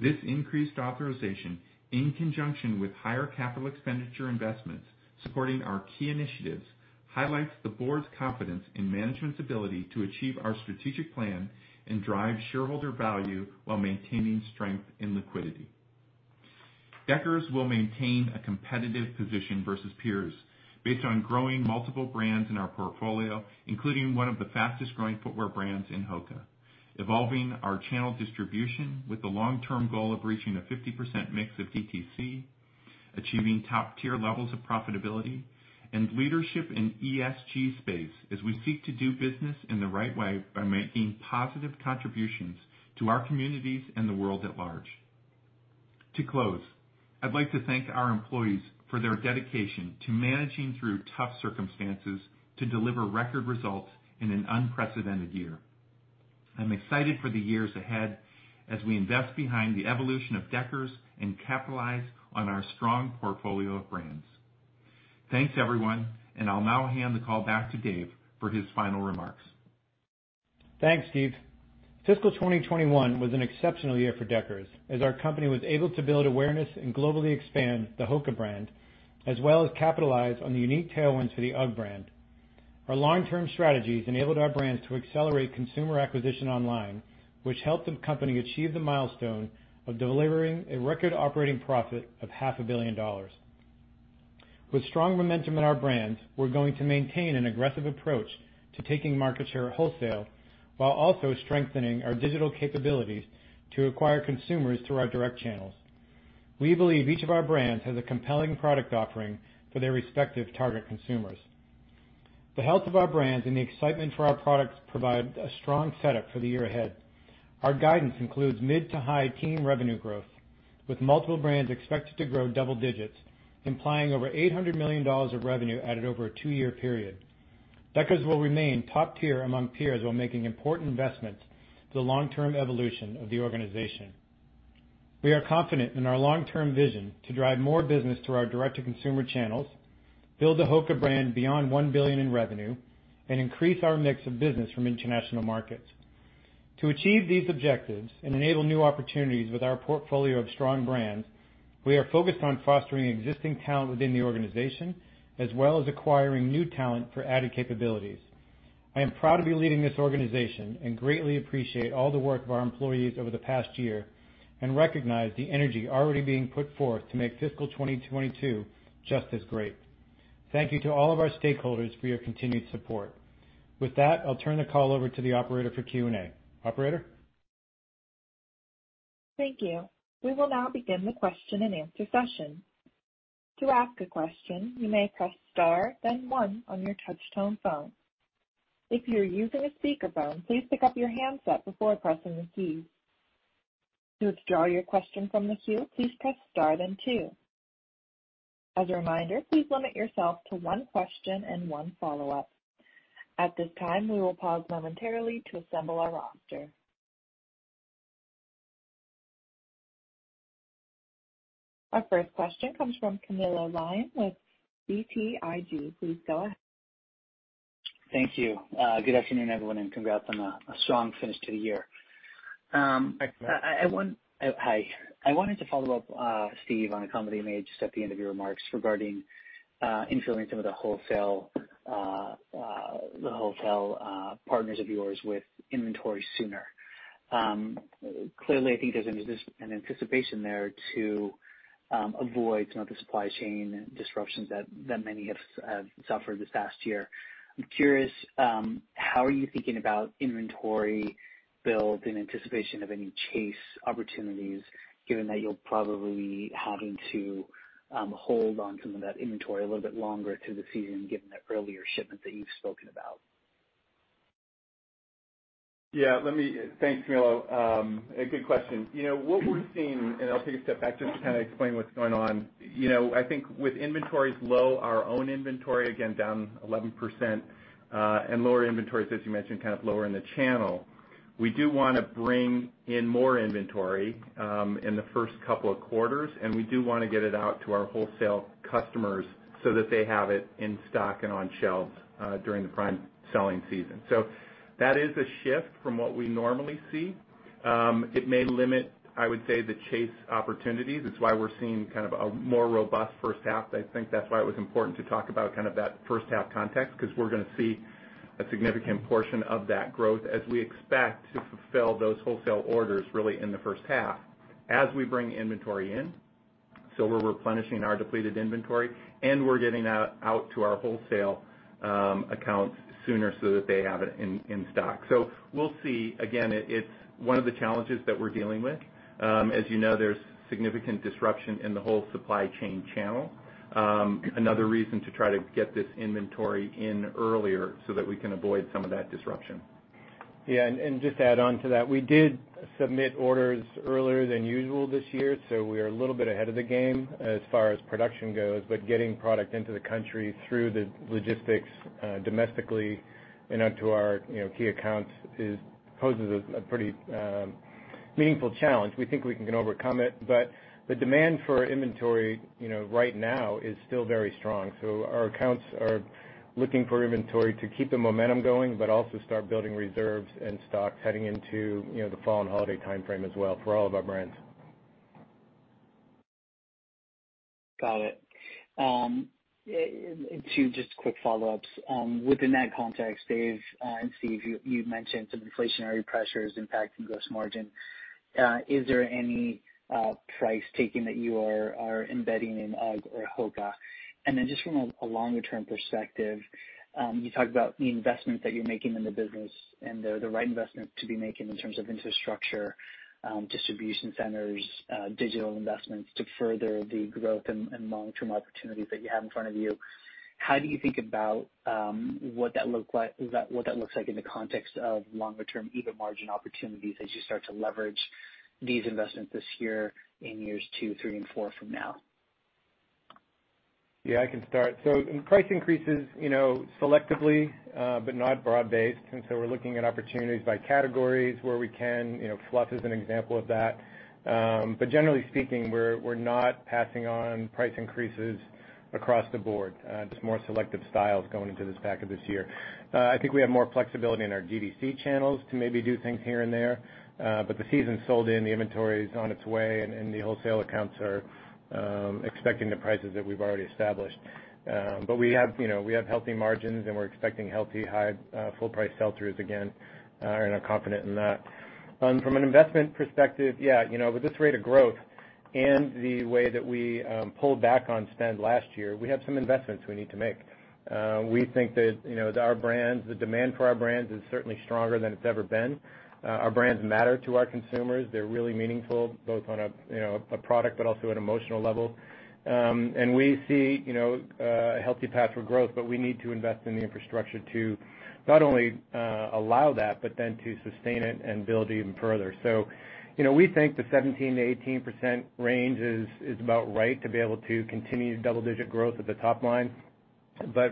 This increased authorization, in conjunction with higher capital expenditure investments supporting our key initiatives, highlights the board's confidence in management's ability to achieve our strategic plan and drive shareholder value while maintaining strength in liquidity. Deckers will maintain a competitive position versus peers based on growing multiple brands in our portfolio, including one of the fastest-growing footwear brands in HOKA, evolving our channel distribution with the long-term goal of reaching a 50% mix of DTC. Achieving top-tier levels of profitability and leadership in ESG space as we seek to do business in the right way by making positive contributions to our communities and the world at large. To close, I'd like to thank our employees for their dedication to managing through tough circumstances to deliver record results in an unprecedented year. I'm excited for the years ahead as we invest behind the evolution of Deckers and capitalize on our strong portfolio of brands. Thanks, everyone, and I'll now hand the call back to Dave for his final remarks. Thanks, Steve. Fiscal 2021 was an exceptional year for Deckers, as our company was able to build awareness and globally expand the HOKA brand, as well as capitalize on the unique tailwinds to the UGG brand. Our long-term strategies enabled our brands to accelerate consumer acquisition online, which helped the company achieve the milestone of delivering a record operating profit of half a billion dollars. With strong momentum in our brands, we're going to maintain an aggressive approach to taking market share wholesale while also strengthening our digital capabilities to acquire consumers through our direct channels. We believe each of our brands has a compelling product offering for their respective target consumers. The health of our brands and the excitement for our products provide a strong setup for the year ahead. Our guidance includes mid to high teen revenue growth, with multiple brands expected to grow double digits, implying over $800 million of revenue added over a two-year period. Deckers will remain top tier among peers while making important investments for the long-term evolution of the organization. We are confident in our long-term vision to drive more business through our direct-to-consumer channels, build the HOKA brand beyond $1 billion in revenue, and increase our mix of business from international markets. To achieve these objectives and enable new opportunities with our portfolio of strong brands, we are focused on fostering existing talent within the organization, as well as acquiring new talent for added capabilities. I am proud to be leading this organization and greatly appreciate all the work of our employees over the past year and recognize the energy already being put forth to make fiscal 2022 just as great. Thank you to all of our stakeholders for your continued support. With that, I'll turn the call over to the operator for Q&A. Operator? Thank you. We will now begin the question-and-answer session. To ask a question you will need to press star one on your touchtone phone. If you are using a speaker phone, please pick up your headsets before asking a question. To withdraw your question please press star then two. As a reminder, please limit yourself to one question and one follow-up. At this time, we will pause momentarily to assemble our roster. Our first question comes from Camilo Lyon with BTIG. Please go ahead. Thank you. Good afternoon, everyone. Congrats on a strong finish to the year. Thanks. Hi. I wanted to follow up, Steve, on a comment you made just at the end of your remarks regarding influencing with the wholesale partners of yours with inventory sooner. Clearly, I think there's an anticipation there to avoid some of the supply chain disruptions that many have suffered this past year. I'm curious, how are you thinking about inventory build in anticipation of any chase opportunities, given that you'll probably be having to hold onto that inventory a little bit longer to the season given that earlier shipment that you've spoken about? Yeah. Thanks, Camilo Lyon. A good question. What we're seeing, and I'll take that back to kind of explain what's going on. I think with inventories low, our own inventory, again, down 11%, and lower inventories, as you mentioned, kind of lower in the channel, we do want to bring in more inventory in the first couple of quarters, and we do want to get it out to our wholesale customers so that they have it in stock and on shelves during the prime selling season. That is a shift from what we normally see. It may limit, I would say, the chase opportunities. It's why we're seeing a more robust H1. I think that's why it was important to talk about that H1 context, because we're going to see a significant portion of that growth as we expect to fulfill those wholesale orders really in the H1 as we bring inventory in. We're replenishing our depleted inventory, and we're getting that out to our wholesale accounts sooner so that they have it in stock. We'll see. Again, it's one of the challenges that we're dealing with. As you know, there's significant disruption in the whole supply chain channel. Another reason to try to get this inventory in earlier so that we can avoid some of that disruption. Yeah, just add on to that, we did submit orders earlier than usual this year, so we are a little bit ahead of the game as far as production goes, but getting product into the country through the logistics domestically and onto our key accounts poses a pretty meaningful challenge. We think we can overcome it, but the demand for inventory right now is still very strong. Our accounts are looking for inventory to keep the momentum going but also start building reserves and stock heading into the fall and holiday timeframe as well for all of our brands. Got it. Two just quick follow-ups. Within that context, Dave and Steve, you mentioned some inflationary pressures impacting gross margin. Is there any price taking that you are embedding in UGG or HOKA? Just from a longer-term perspective, you talked about the investment that you're making in the business and they're the right investments to be making in terms of infrastructure, distribution centers, digital investments to further the growth and long-term opportunities that you have in front of you. How do you think about what that looks like in the context of longer-term EBIT margin opportunities as you start to leverage these investments this year in years two, three, and four from now? Yeah, I can start. Price increases selectively, but not broad-based. We're looking at opportunities by categories where we can, Fluff is an example of that. Generally speaking, we're not passing on price increases across the board. More selective styles going to the stack of this year. I think we have more flexibility in our DTC channels to maybe do things here and there. The season's sold in, the inventory is on its way, and the wholesale accounts are expecting the prices that we've already established. We have healthy margins, and we're expecting healthy high, full price sell-throughs again, and are confident in that. From an investment perspective, yeah, with this rate of growth and the way that we pulled back on spend last year, we have some investments we need to make. We think that our brands, the demand for our brands is certainly stronger than it's ever been. Our brands matter to our consumers. They're really meaningful, both on a product but also an emotional level. We see a healthy path for growth. We need to invest in the infrastructure to not only allow that, but then to sustain it and build even further. We think the 17%-18% range is about right to be able to continue double-digit growth at the top line.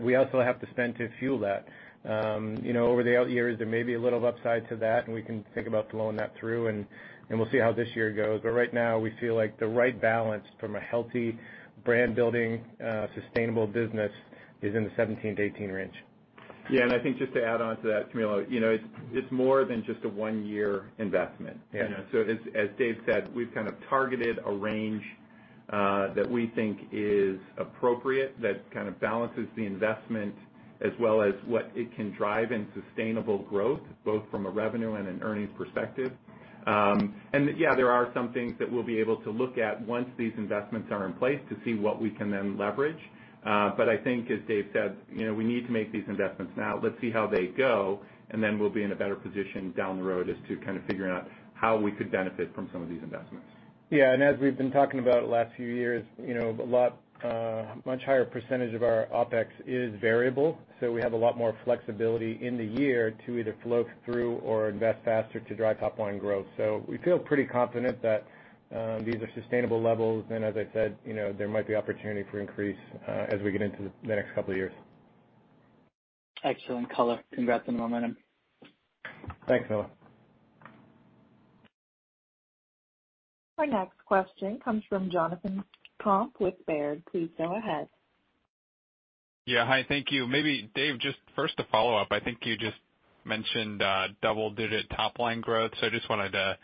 We also have to spend to fuel that. Over the years, there may be a little upside to that, and we can think about blowing that through, and we'll see how this year goes. Right now, we feel like the right balance from a healthy brand-building, sustainable business is in the 17%-18% range. Yeah, I think just to add on to that, Camilo, it's more than just a one-year investment. Yeah. As Dave said, we've kind of targeted a range that we think is appropriate that kind of balances the investment as well as what it can drive in sustainable growth, both from a revenue and an earnings perspective. Yeah, there are some things that we'll be able to look at once these investments are in place to see what we can then leverage. I think as Dave said, we need to make these investments now. Let's see how they go, and then we'll be in a better position down the road as to kind of figuring out how we could benefit from some of these investments. Yeah, as we've been talking about the last few years, a much higher percentage of our OpEx is variable. We have a lot more flexibility in the year to either float through or invest faster to drive top line growth. We feel pretty confident that these are sustainable levels. As I said, there might be opportunity for increase as we get into the next couple of years. Excellent color. Congrats on the momentum. Thanks, Camilo. Our next question comes from Jonathan Komp with Baird. Please go ahead. Hi, thank you. Dave, just first a follow-up. I think you just mentioned double-digit top line growth. I just wanted to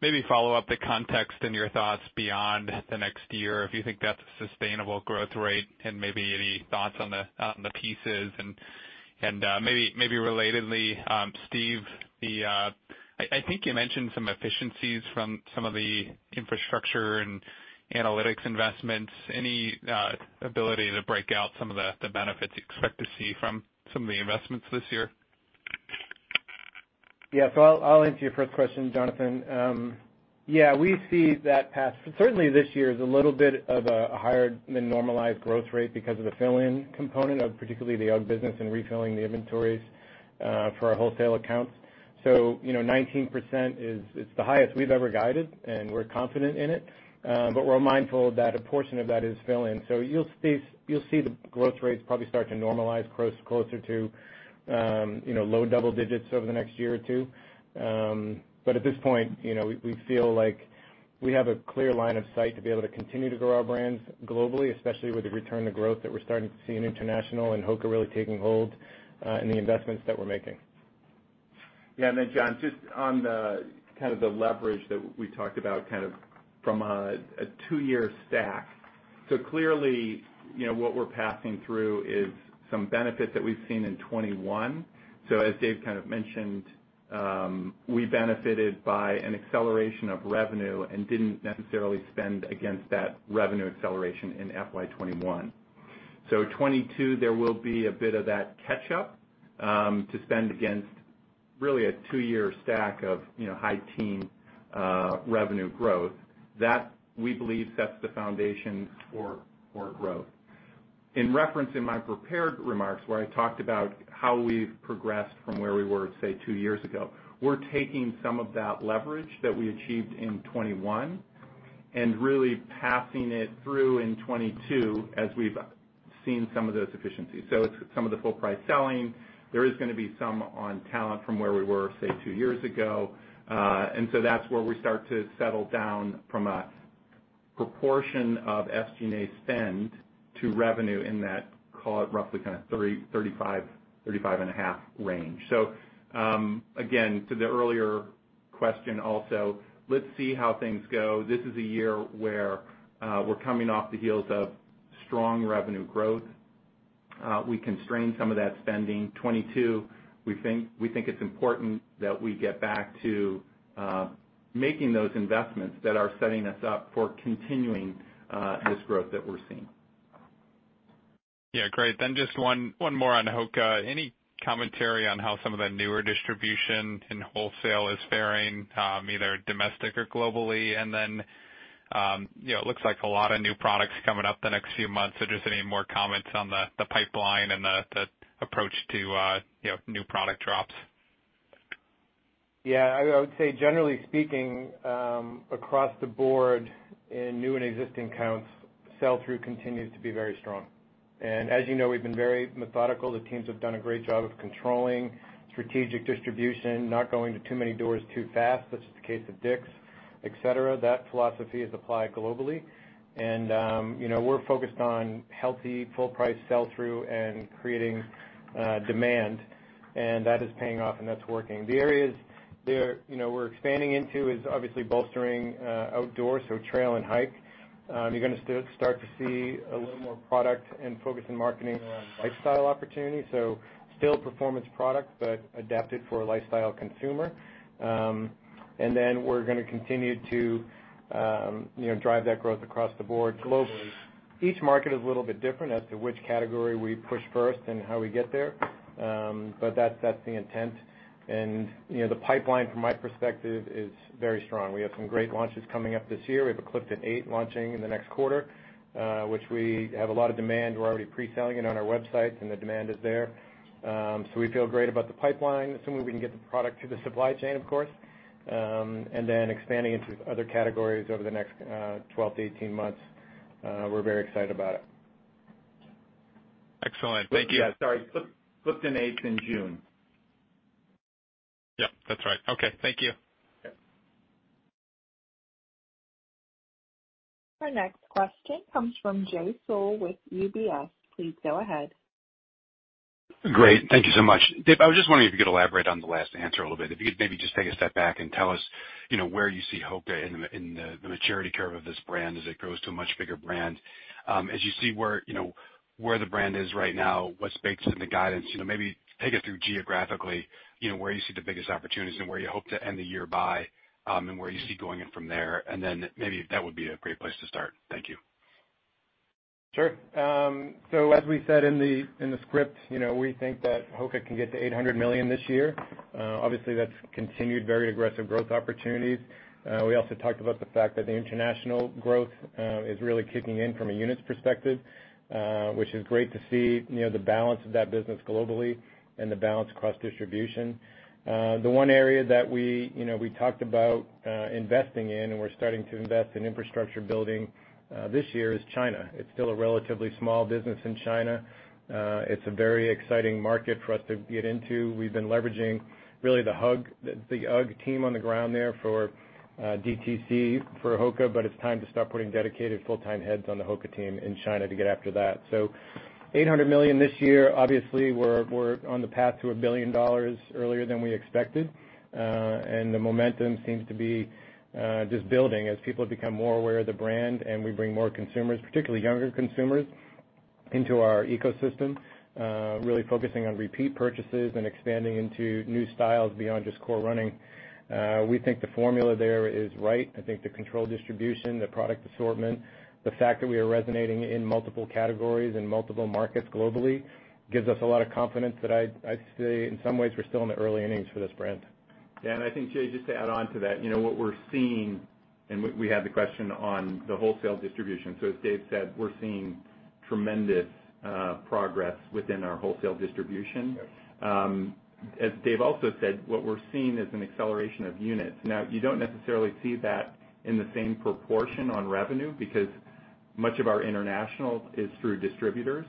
maybe follow up the context and your thoughts beyond the next year, if you think that's a sustainable growth rate and maybe any thoughts on the pieces and maybe relatedly, Steve, I think you mentioned some efficiencies from some of the infrastructure and analytics investments. Any ability to break out some of the benefits you expect to see from some of the investments this year? I'll answer your first question, Jonathan. We see that path. Certainly, this year is a little bit of a higher than normalized growth rate because of the fill-in component of particularly the UGG business and refilling the inventories for our wholesale accounts. 19% is the highest we've ever guided, and we're confident in it. We're mindful that a portion of that is fill in. You'll see the growth rate probably start to normalize closer to low double digits over the next year or two. At this point, we feel like we have a clear line of sight to be able to continue to grow our brands globally, especially with the return of growth that we're starting to see in international and HOKA really taking hold in the investments that we're making. John, just on the kind of the leverage that we talked about kind of from a two-year stack. Clearly, what we're passing through is some benefit that we've seen in 2021. As Dave kind of mentioned, we benefited by an acceleration of revenue and didn't necessarily spend against that revenue acceleration in FY 2021. 2022, there will be a bit of that catch up to spend against really a two-year stack of high teen revenue growth. That we believe sets the foundation for growth. In reference in my prepared remarks where I talked about how we've progressed from where we were, say, two years ago, we're taking some of that leverage that we achieved in 2021 and really passing it through in 2022 as we've seen some of those efficiencies. Some of the full price selling there is going to be some on talent from where we were, say, two years ago. That's where we start to settle down from a proportion of SG&A spend to revenue in that, call it roughly kind of 35%, 35.5% range. Again, to the earlier question also, let's see how things go. This is a year where we're coming off the heels of strong revenue growth. We constrained some of that spending 2022. We think it's important that we get back to making those investments that are setting us up for continuing this growth that we're seeing. Great. Just one more on HOKA. Any commentary on how some of the newer distribution in wholesale is faring, either domestic or globally? It looks like a lot of new products coming up the next few months. Just any more comments on the pipeline and the approach to new product drops? Yeah, I would say generally speaking, across the board in new and existing accounts, sell-through continues to be very strong. As you know, we've been very methodical. The teams have done a great job of controlling strategic distribution, not going to too many doors too fast, such as the case of Dick's, et cetera. That philosophy is applied globally. We're focused on healthy, full price sell-through and creating demand. That is paying off, and that's working. The areas that we're expanding into is obviously bolstering outdoor, so trail and hike. You're going to start to see a little more product and focus in marketing on lifestyle opportunities. Still performance product, but adapted for a lifestyle consumer. We're going to continue to drive that growth across the board globally. Each market is a little bit different as to which category we push first and how we get there. That's the intent. The pipeline from my perspective is very strong. We have some great launches coming up this year. We have a Clifton eight launching in the next quarter, which we have a lot of demand. We're already pre-selling it on our websites, and the demand is there. We feel great about the pipeline, assuming we can get the product through the supply chain, of course. Expanding into other categories over the next 12-18 months. We're very excited about it. Excellent. Thank you. Sorry, clip to eighth in June. Yep, that's right. Okay, thank you. Our next question comes from Jay Sole with UBS. Please go ahead. Great. Thank you so much. Dave, I just wondered if you could elaborate on the last answer a little bit. Maybe just take a step back and tell us where you see HOKA in the maturity curve of this brand as it grows to a much bigger brand. As you see where the brand is right now, what's baked in the guidance, maybe take us through geographically, where you see the biggest opportunities and where you hope to end the year by, and where you see going it from there, and then maybe that would be a great place to start. Thank you. Sure. As we said in the script, we think that HOKA can get to $800 million this year. Obviously, that's continued very aggressive growth opportunities. We also talked about the fact that the international growth is really kicking in from a units perspective, which is great to see the balance of that business globally and the balance across distribution. The one area that we talked about investing in, and we're starting to invest in infrastructure building this year is China. It's still a relatively small business in China. It's a very exciting market for us to get into. We've been leveraging really the UGG team on the ground there for DTC for HOKA, but it's time to start putting dedicated full-time heads on the HOKA team in China to get after that. $800 million this year, obviously, we're on the path to $1 billion earlier than we expected. The momentum seems to be just building as people become more aware of the brand and we bring more consumers, particularly younger consumers, into our ecosystem, really focusing on repeat purchases and expanding into new styles beyond just core running. We think the formula there is right. I think the control distribution, the product assortment, the fact that we are resonating in multiple categories and multiple markets globally gives us a lot of confidence that I'd say in some ways we're still in the early innings for this brand. Dana, I think, Jay, just to add on to that, what we're seeing. We had the question on the wholesale distribution. As Dave said, we're seeing tremendous progress within our wholesale distribution. As Dave also said, what we're seeing is an acceleration of units. Now, you don't necessarily see that in the same proportion on revenue because much of our international is through distributors.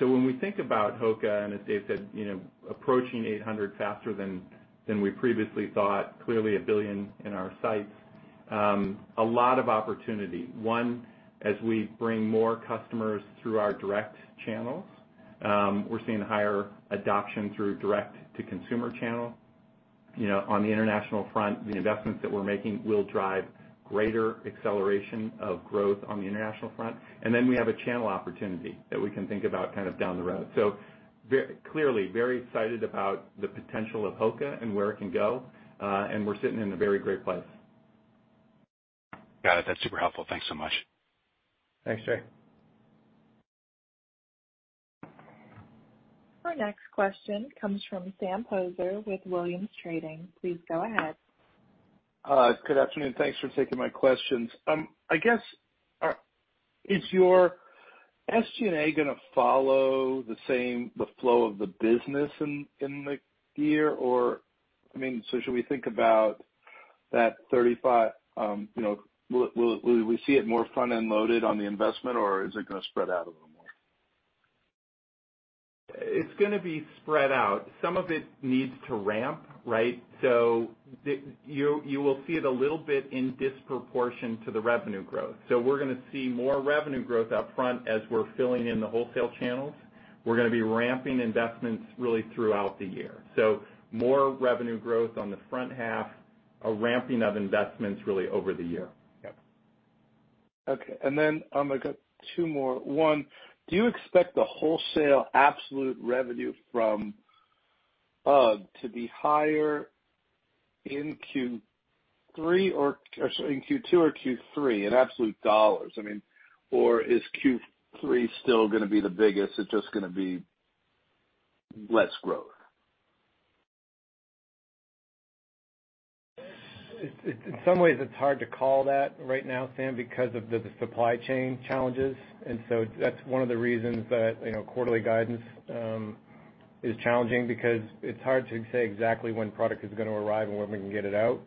When we think about HOKA, as Dave said, approaching 800 faster than we previously thought, clearly $1 billion in our sights. A lot of opportunity. One, as we bring more customers through our direct channels, we're seeing higher adoption through direct-to-consumer channels. On the international front, the investments that we're making will drive greater acceleration of growth on the international front. Then we have a channel opportunity that we can think about down the road. Clearly very excited about the potential of HOKA and where it can go. We're sitting in a very great place. Got it. That's super helpful. Thanks so much. Thanks, Jay. Our next question comes from Sam Poser with Williams Trading. Please go ahead. Good afternoon. Thanks for taking my questions. I guess, is your SG&A going to follow the flow of the business in the year? Should we think about that 35? Will we see it more front-end loaded on the investment or is it going to spread out a little more? It's going to be spread out. Some of it needs to ramp, right? You will see it a little bit in disproportion to the revenue growth. We're going to see more revenue growth up front as we're filling in the wholesale channels. We're going to be ramping investments really throughout the year. More revenue growth on the front half, a ramping of investments really over the year. Okay. I've got two more. One, do you expect the wholesale absolute revenue from UGG to be higher in Q2 or Q3 in absolute dollars? Is Q3 still going to be the biggest, it's just going to be less growth? In some ways, it's hard to call that right now, Sam, because of the supply chain challenges. That's one of the reasons that quarterly guidance is challenging, because it's hard to say exactly when product is going to arrive and when we can get it out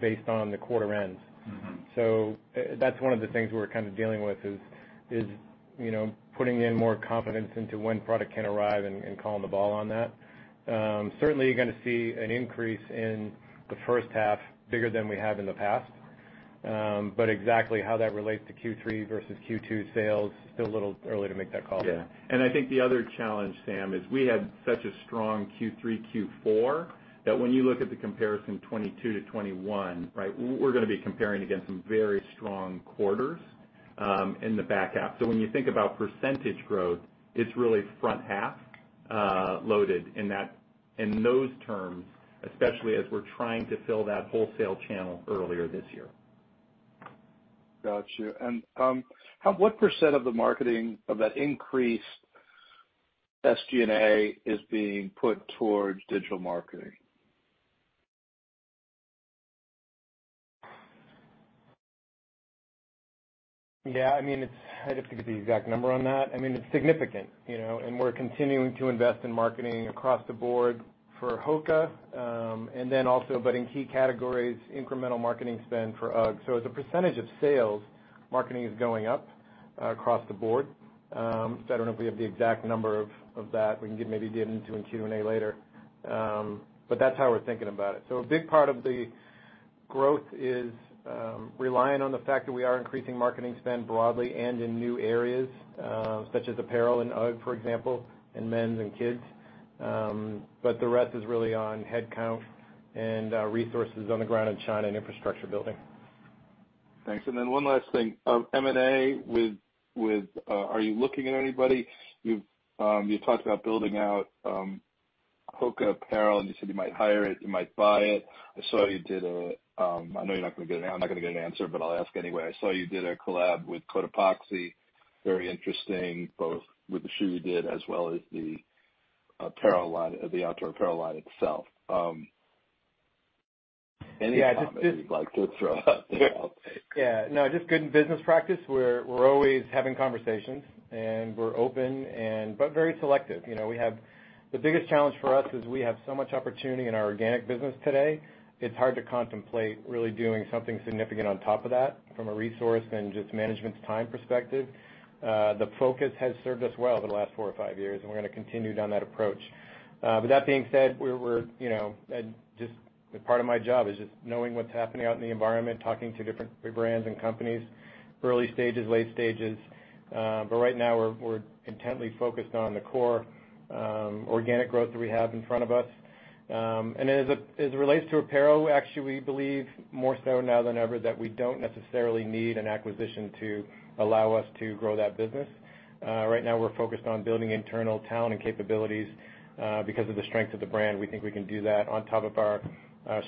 based on the quarter ends. That's one of the things we're dealing with is putting in more confidence into when product can arrive and calling the ball on that. Certainly, you're going to see an increase in the H1, bigger than we have in the past. Exactly how that relates to Q3 versus Q2 sales, still a little early to make that call. Yeah. I think the other challenge, Sam, is we had such a strong Q3, Q4, that when you look at the comparison 2022-2021, right. We're going to be comparing against some very strong quarters in the back half. When you think about percentage growth, it's really front half loaded in those terms, especially as we're trying to fill that wholesale channel earlier this year. Got you. What percent of the marketing of that increased SG&A is being put towards digital marketing? Yeah, I'd have to get the exact number on that. It's significant, and we're continuing to invest in marketing across the board for HOKA. Then also, but in key categories, incremental marketing spends for UGG. As a percentage of sales, marketing is going up across the board. I don't know if we have the exact number of that. We can maybe get into in Q&A later. That's how we're thinking about it. A big part of the growth is reliant on the fact that we are increasing marketing spend broadly and in new areas, such as apparel and UGG, for example, and men's and kids. The rest is really on headcount and resources on the ground in China, infrastructure building. Thanks. One last thing. M&A, are you looking at anybody? You talked about building out HOKA apparel, and you said you might hire it, you might buy it. I know I'm not going to get an answer. I'll ask anyway. I saw you did a collab with Cotopaxi. Very interesting, both with the shoe you did as well as the outdoor apparel line itself. Anything you'd like to throw out there? Yeah, no, just good business practice. We're always having conversations, and we're open but very selective. The biggest challenge for us is we have so much opportunity in our organic business today. It's hard to contemplate really doing something significant on top of that from a resource and just management time perspective. The focus has served us well the last four or five years, and we're going to continue down that approach. That being said, part of my job is just knowing what's happening out in the environment, talking to different brands and companies, early stages, late stages. Right now, we're intently focused on the core organic growth that we have in front of us. As it relates to apparel, actually, we believe more so now than ever, that we don't necessarily need an acquisition to allow us to grow that business. Right now we're focused on building internal talent capabilities. Because of the strength of the brand, we think we can do that on top of our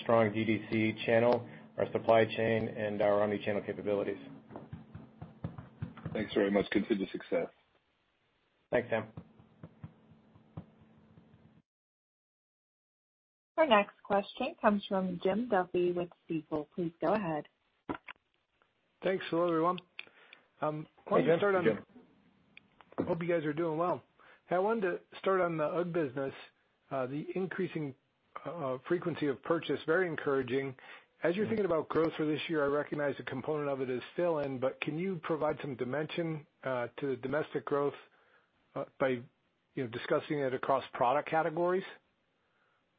strong D2C channel, our supply chain, and our omnichannel capabilities. Thanks very much. Good for the success. Thanks, Sam. Our next question comes from Jim Duffy with Stifel. Please go ahead. Thanks, sure everyone. Hi, Jim. Hope you guys are doing well. I wanted to start on the UGG business, the increasing frequency of purchase, very encouraging. As you think about growth for this year, I recognize a component of it is fill-in, but can you provide some dimension to the domestic growth by discussing it across product categories?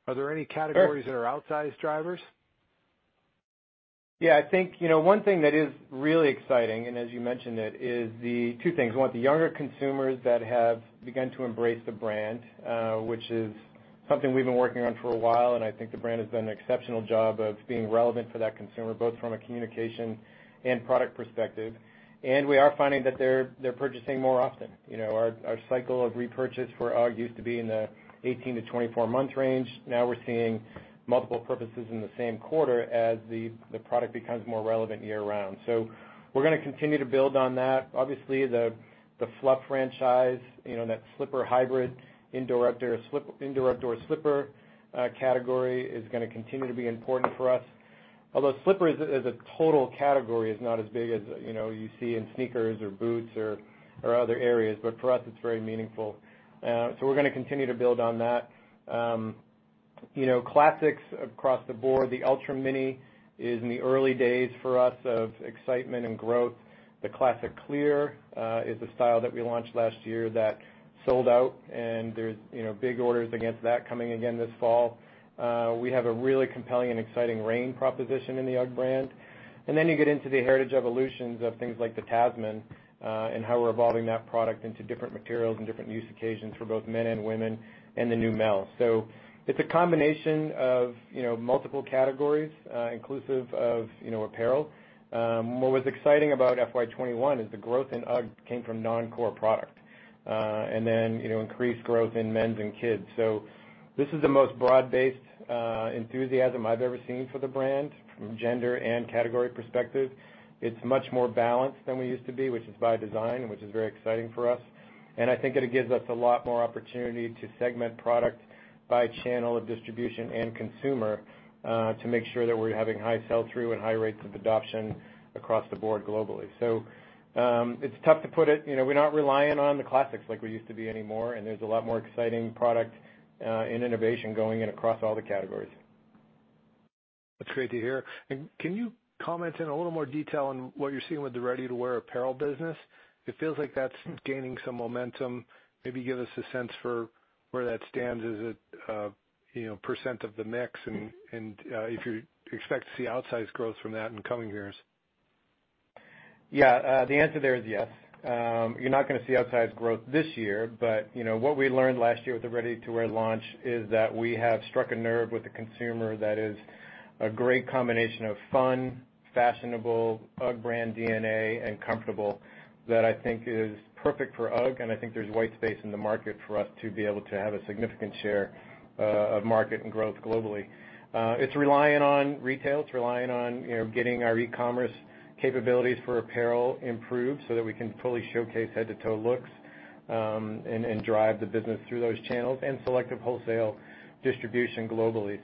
Are there any categories that are outsized drivers? I think one thing that is really exciting, as you mentioned it, is the two things. One, the younger consumers that have begun to embrace the brand, which is something we've been working on for a while, and I think the brand has done an exceptional job of being relevant for that consumer, both from a communication and product perspective. We are finding that they're purchasing more often. Our cycle of repurchase for UGG used to be in the 18-24 month range. Now we're seeing multiple purchases in the same quarter as the product becomes more relevant year-round. We're going to continue to build on that. Obviously, the Fluff franchise, that slipper hybrid indoor/outdoor slipper category is going to continue to be important for us. Although slippers as a total category is not as big as you see in sneakers or boots or other areas. For us, it's very meaningful. We're going to continue to build on that. Classics across the board. The Ultra Mini is in the early days for us of excitement and growth. The Classic Clear is a style that we launched last year that sold out, and there's big orders against that coming again this fall. We have a really compelling and exciting rain proposition in the UGG brand. You get into the heritage evolutions of things like the Tasman and how we're evolving that product into different materials and different use occasions for both men and women and the Neumel. It's a combination of multiple categories, inclusive of apparel. What was exciting about FY 2021 is the growth in UGG came from non-core product, and then increased growth in men's and kids'. This is the most broad-based enthusiasm I've ever seen for the brand from gender and category perspective. It's much more balanced than we used to be, which is by design, which is very exciting for us. I think it gives us a lot more opportunity to segment product by channel of distribution and consumer to make sure that we're having high sell-through and high rates of adoption across the board globally. We're not reliant on the classics like we used to be anymore, and there's a lot more exciting product and innovation going in across all the categories. That's great to hear. Can you comment in a little more detail on what you're seeing with the ready-to-wear apparel business? It feels like that's gaining some momentum. Maybe give us a sense for where that stands as a percent of the mix and if you expect to see outsized growth from that in coming years. Yeah. The answer there is yes. You're not going to see outsized growth this year, but what we learned last year with the ready-to-wear launch is that we have struck a nerve with a consumer that is a great combination of fun, fashionable, UGG brand DNA, and comfortable, that I think is perfect for UGG, and I think there's white space in the market for us to be able to have a significant share of market and growth globally. It's reliant on retail, it's reliant on getting our e-commerce capabilities for apparel improved so that we can fully showcase head-to-toe looks and drive the business through those channels and selective wholesale distribution globally.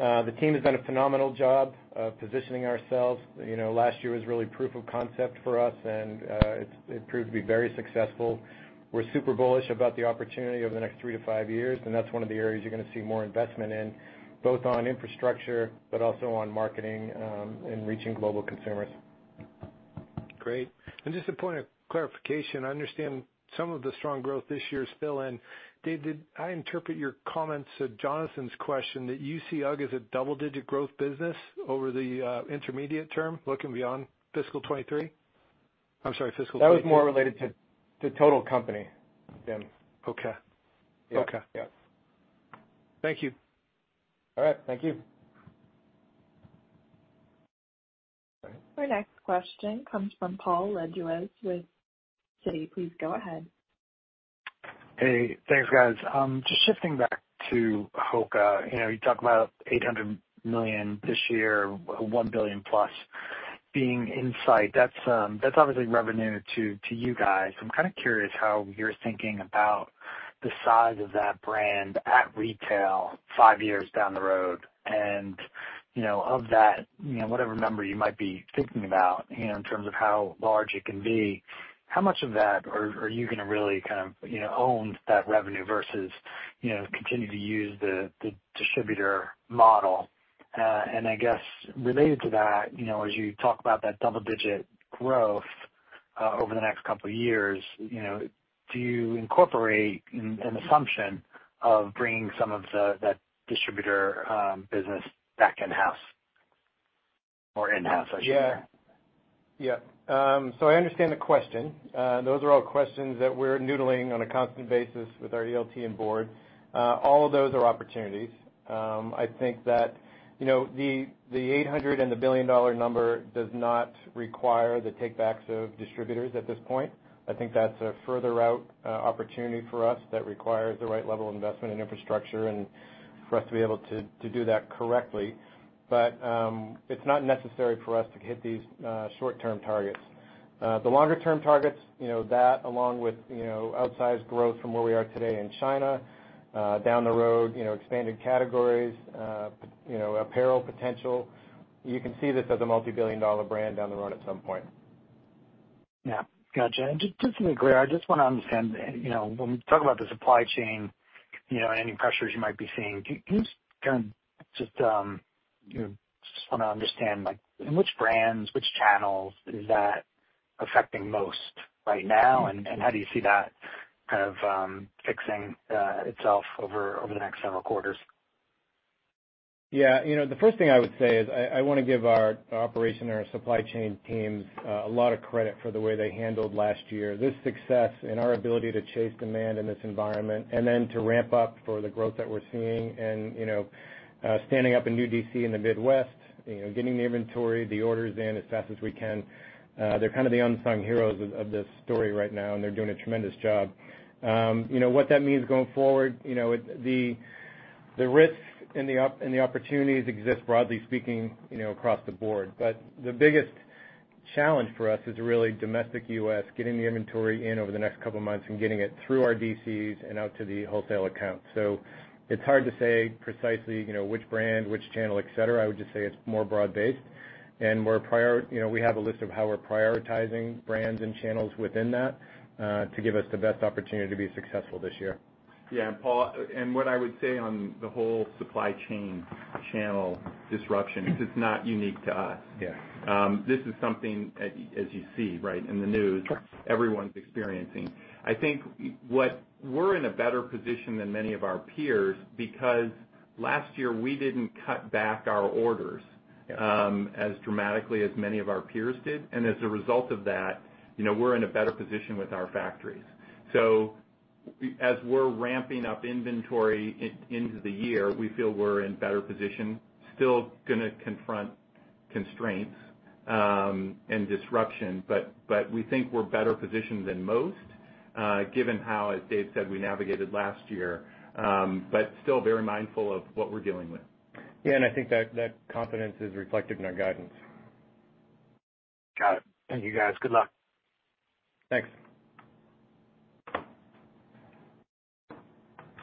The team has done a phenomenal job of positioning ourselves. Last year was really proof of concept for us, and it proved to be very successful. We're super bullish about the opportunity over the next three to five years, and that's one of the areas you're going to see more investment in, both on infrastructure, but also on marketing and reaching global consumers. Great. Just a point of clarification. I understand some of the strong growth this year is fill-in. Dave, did I interpret your comments to Jonathan's question that you see UGG as a double-digit growth business over the intermediate term, looking beyond fiscal 2023? That was more related to the total company, Dennis. Okay. Yeah. Thank you. All right. Thank you. Our next question comes from Paul Lejuez with Citi. Please go ahead. Hey, thanks, guys. Just shifting back to HOKA. You talk about $800 million this year, $1 billion plus being in sight. That's obviously revenue to you guys. I'm kind of curious how you're thinking about the size of that brand at retail five years down the road. Of that, whatever number you might be thinking about in terms of how large it can be, how much of that are you going to really own that revenue versus continue to use the distributor model? I guess related to that, as you talk about that double-digit growth over the next couple of years, do you incorporate an assumption of bringing some of that distributor business back in-house, I should say? I understand the question. Those are all questions that we're noodling on a constant basis with our ELT and board. All of those are opportunities. I think that the $800 million and $1 billion number does not require the takebacks of distributors at this point. I think that's a further out opportunity for us that requires the right level of investment in infrastructure and for us to be able to do that correctly. It's not necessary for us to hit these short-term targets. The longer-term targets, that along with outsized growth from where we are today in China, down the road, expanded categories, apparel potential. You can see this as a multi-billion-dollar brand down the road at some point. Yeah. Got you. Just to be clear, I just want to understand, when we talk about the supply chain, any pressures you might be seeing, I just want to understand which brands, which channels is that affecting most right now, and how do you see that fixing itself over the next several quarters? Yeah. The first thing I would say is I want to give our operation and our supply chain teams a lot of credit for the way they handled last year. This success and our ability to chase demand in this environment and then to ramp up for the growth that we're seeing and standing up a new DC in the Midwest, getting inventory, the orders in as fast as we can. They're kind of the unsung heroes of this story right now, and they're doing a tremendous job. What that means going forward, the risks and the opportunities exist, broadly speaking, across the board. The biggest challenge for us is really domestic U.S., getting the inventory in over the next couple of months and getting it through our DCs and out to the wholesale accounts. It's hard to say precisely which brand, which channel, et cetera. I would just say it's more broad-based. We have a list of how we're prioritizing brands and channels within that to give us the best opportunity to be successful this year. Yeah, Paul, what I would say on the whole supply chain channel disruption is it's not unique to us. Yeah. This is something, as you see right in the news, everyone's experiencing. I think we're in a better position than many of our peers because last year we didn't cut back our orders as dramatically as many of our peers did, and as a result of that we're in a better position with our factories. As we're ramping up inventory into the year, we feel we're in a better position. Still going to confront constraints and disruption, but we think we're better positioned than most, given how, as Dave said, we navigated last year. Still very mindful of what we're dealing with. Yeah. I think that confidence is reflected in our guidance. Got it. Thank you, guys. Good luck. Thanks.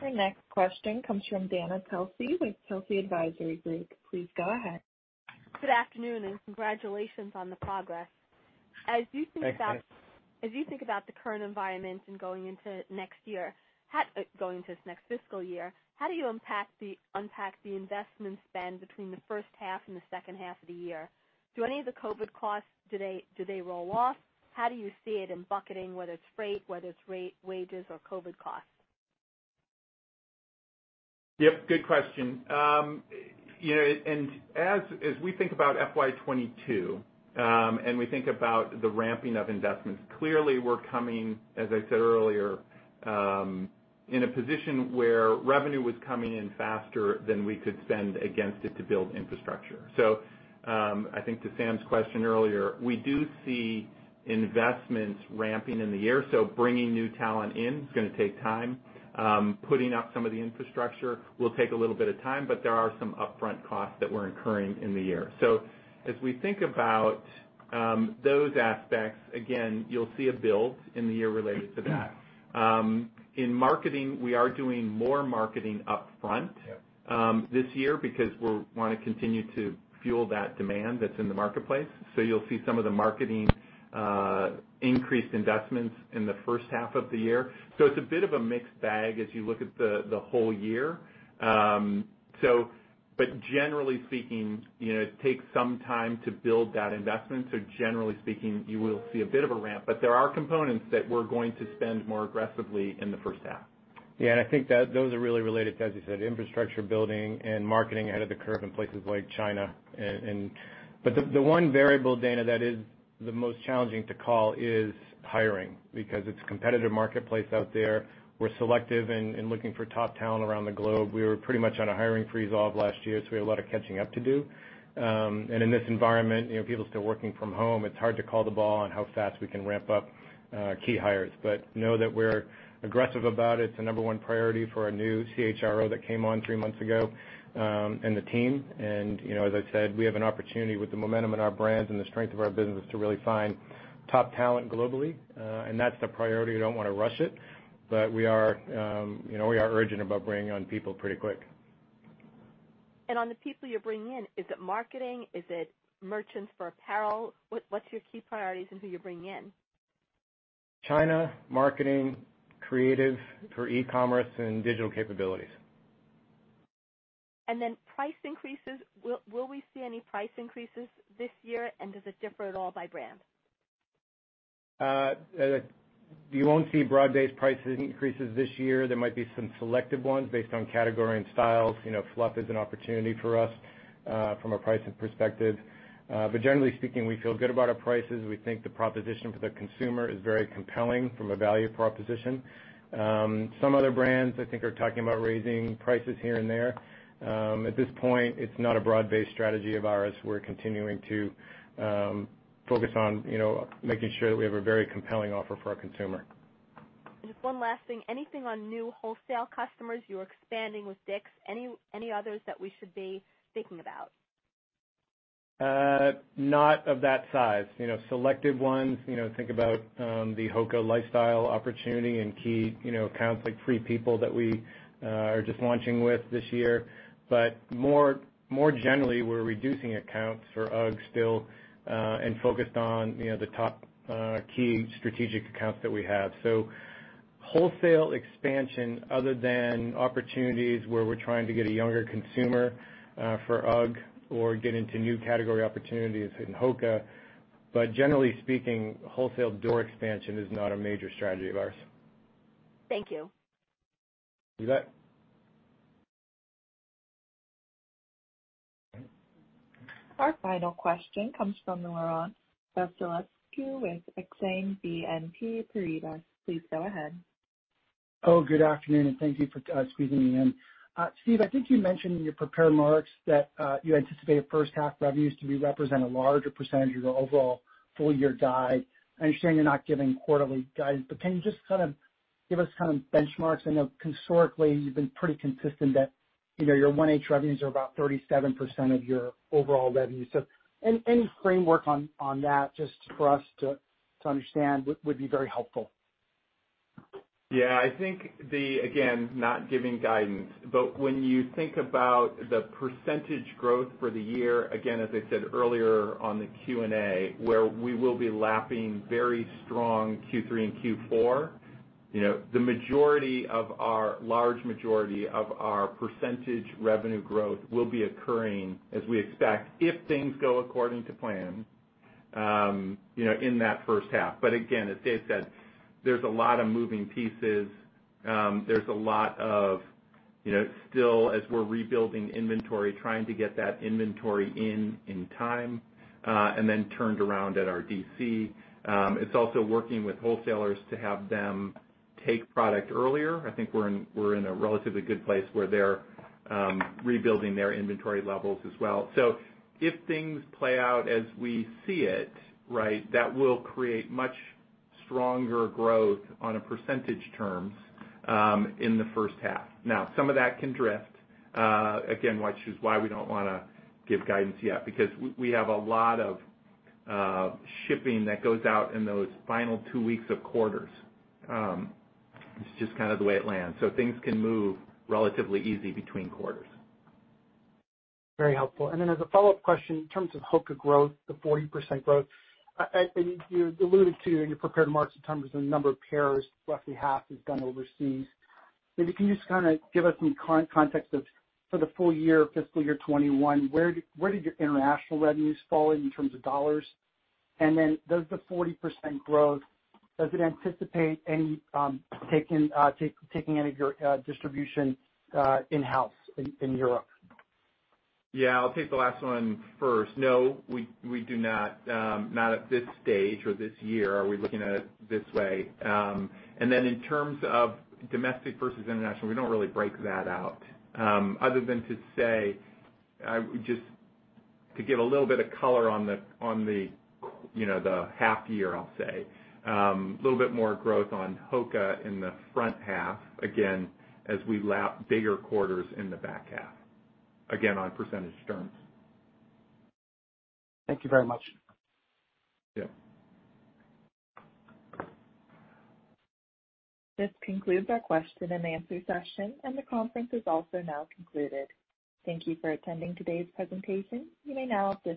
Our next question comes from Dana Telsey with Telsey Advisory Group. Please go ahead. Good afternoon, congratulations on the progress. Thanks. As you think about the current environment and going into next fiscal year, how do you unpack the investment spend between the H1 and the H2 of the year? Do any of the COVID costs, do they roll off? How do you see it in bucketing, whether it's freight, whether it's wages or COVID costs? Yep. Good question. As we think about FY 2022, and we think about the ramping of investments, clearly, we're coming, as I said earlier, in a position where revenue was coming in faster than we could spend against it to build infrastructure. I think to Sam's question earlier, we do see investments ramping in the year. Bringing new talent in is going to take time. Putting out some of the infrastructure will take a little bit of time, but there are some upfront costs that we're incurring in the year. As we think about those aspects, again, you'll see a build in the year related to that. In marketing, we are doing more marketing upfront this year because we want to continue to fuel that demand that's in the marketplace. You'll see some of the marketing increased investments in the H1 of the year. It's a bit of a mixed bag as you look at the whole year. Generally speaking, it takes some time to build that investment. Generally speaking, you will see a bit of a ramp, but there are components that we're going to spend more aggressively in the H1. Yeah, I think that those are really related, as you said, infrastructure building and marketing out of the current in places like China. The one variable, Dana, that is the most challenging to call is hiring, because it's a competitive marketplace out there. We're selective and looking for top talent around the globe. We were pretty much on a hiring freeze all of last year, so we have a lot of catching up to do. In this environment, people are still working from home. It's hard to call the ball on how fast we can ramp up key hires. Know that we're aggressive about it. It's the number one priority for our new CHRO that came on three months ago, and the team. As I said, we have an opportunity with the momentum in our brands and the strength of our business to really find top talent globally. That's the priority. I don't want to rush it, we are urgent about bringing on people pretty quick. On the people you're bringing in, is it marketing? Is it merchants for apparel? What's your key priorities in who you're bringing in? China, marketing, creative for e-commerce, and digital capabilities. Price increases. Will we see any price increases this year? Does it differ at all by brand? You won't see broad-based price increases this year. There might be some selective ones based on category and styles. Fluff is an opportunity for us from a pricing perspective. Generally speaking, we feel good about our prices. We think the proposition for the consumer is very compelling from a value proposition. Some other brands I think are talking about raising prices here and there. At this point, it's not a broad-based strategy of ours. We're continuing to focus on making sure that we have a very compelling offer for our consumer. Just one last thing. Anything on new wholesale customers you're expanding with Dick's? Any others that we should be thinking about? Not of that size. Selected ones, think about the HOKA lifestyle opportunity and key accounts like Free People that we are just launching with this year. More generally, we're reducing accounts for UGG still, and focused on the top key strategic accounts that we have. Wholesale expansion other than opportunities where we're trying to get a younger consumer for UGG or get into new category opportunities in HOKA. Generally speaking, wholesale door expansion is not a major strategy of ours. Thank you. You bet. Our final question comes from Laurent Vasilescu with Exane BNP Paribas. Please go ahead. Good afternoon, thank you for squeezing me in. Steve, I think you mentioned in your prepared remarks that you anticipate H1 revenues to represent a larger percentage of your overall full year guide. I understand you're not giving quarterly guidance; can you just give us benchmarks? I know historically you've been pretty consistent that your 1H revenues are about 37% of your overall revenue. Any framework on that just for us to understand would be very helpful. I think again, not giving guidance, when you think about the percentage growth for the year, again, as I said earlier on the Q&A, where we will be lapping very strong Q3 and Q4. The large majority of our percentage revenue growth will be occurring, as we expect, if things go according to plan, in that H1. Again, as Dave said, there's a lot of moving pieces. There's still as we're rebuilding inventory, trying to get that inventory in time, and then turned around at our DC. It's also working with wholesalers to have them take product earlier. I think we're in a relatively good place where they're rebuilding their inventory levels as well. If things play out as we see it, that will create much stronger growth on a percentage term in the H1. Some of that can drift, again, which is why we don't want to give guidance yet, because we have a lot of shipping that goes out in those final two weeks of quarters. It's just kind of the way it lands. Things can move relatively easy between quarters. Very helpful. As a follow-up question, in terms of HOKA growth, the 40% growth, you alluded to your compared market terms, the number of pairs, roughly half is done overseas. Can you just kind of give us some context of, for the full year, fiscal year 2021, where do you think international revenues fall in terms of dollars? Does the 40% growth anticipate taking any of your distribution in-house in Europe? Yeah, I'll take the last one first. No, we do not. Not at this stage or this year are we looking at it this way. In terms of domestic versus international, we don't really break that out. Other than to say, just to get a little bit of color on the half year, I'll say, a little bit more growth on HOKA in the front half, again, as we lap bigger quarters in the back half. Again, on percentage terms. Thank you very much. Yeah. This concludes our question-and-answer session, and the conference is also now concluded. Thank you for attending today's presentation. You may now disconnect.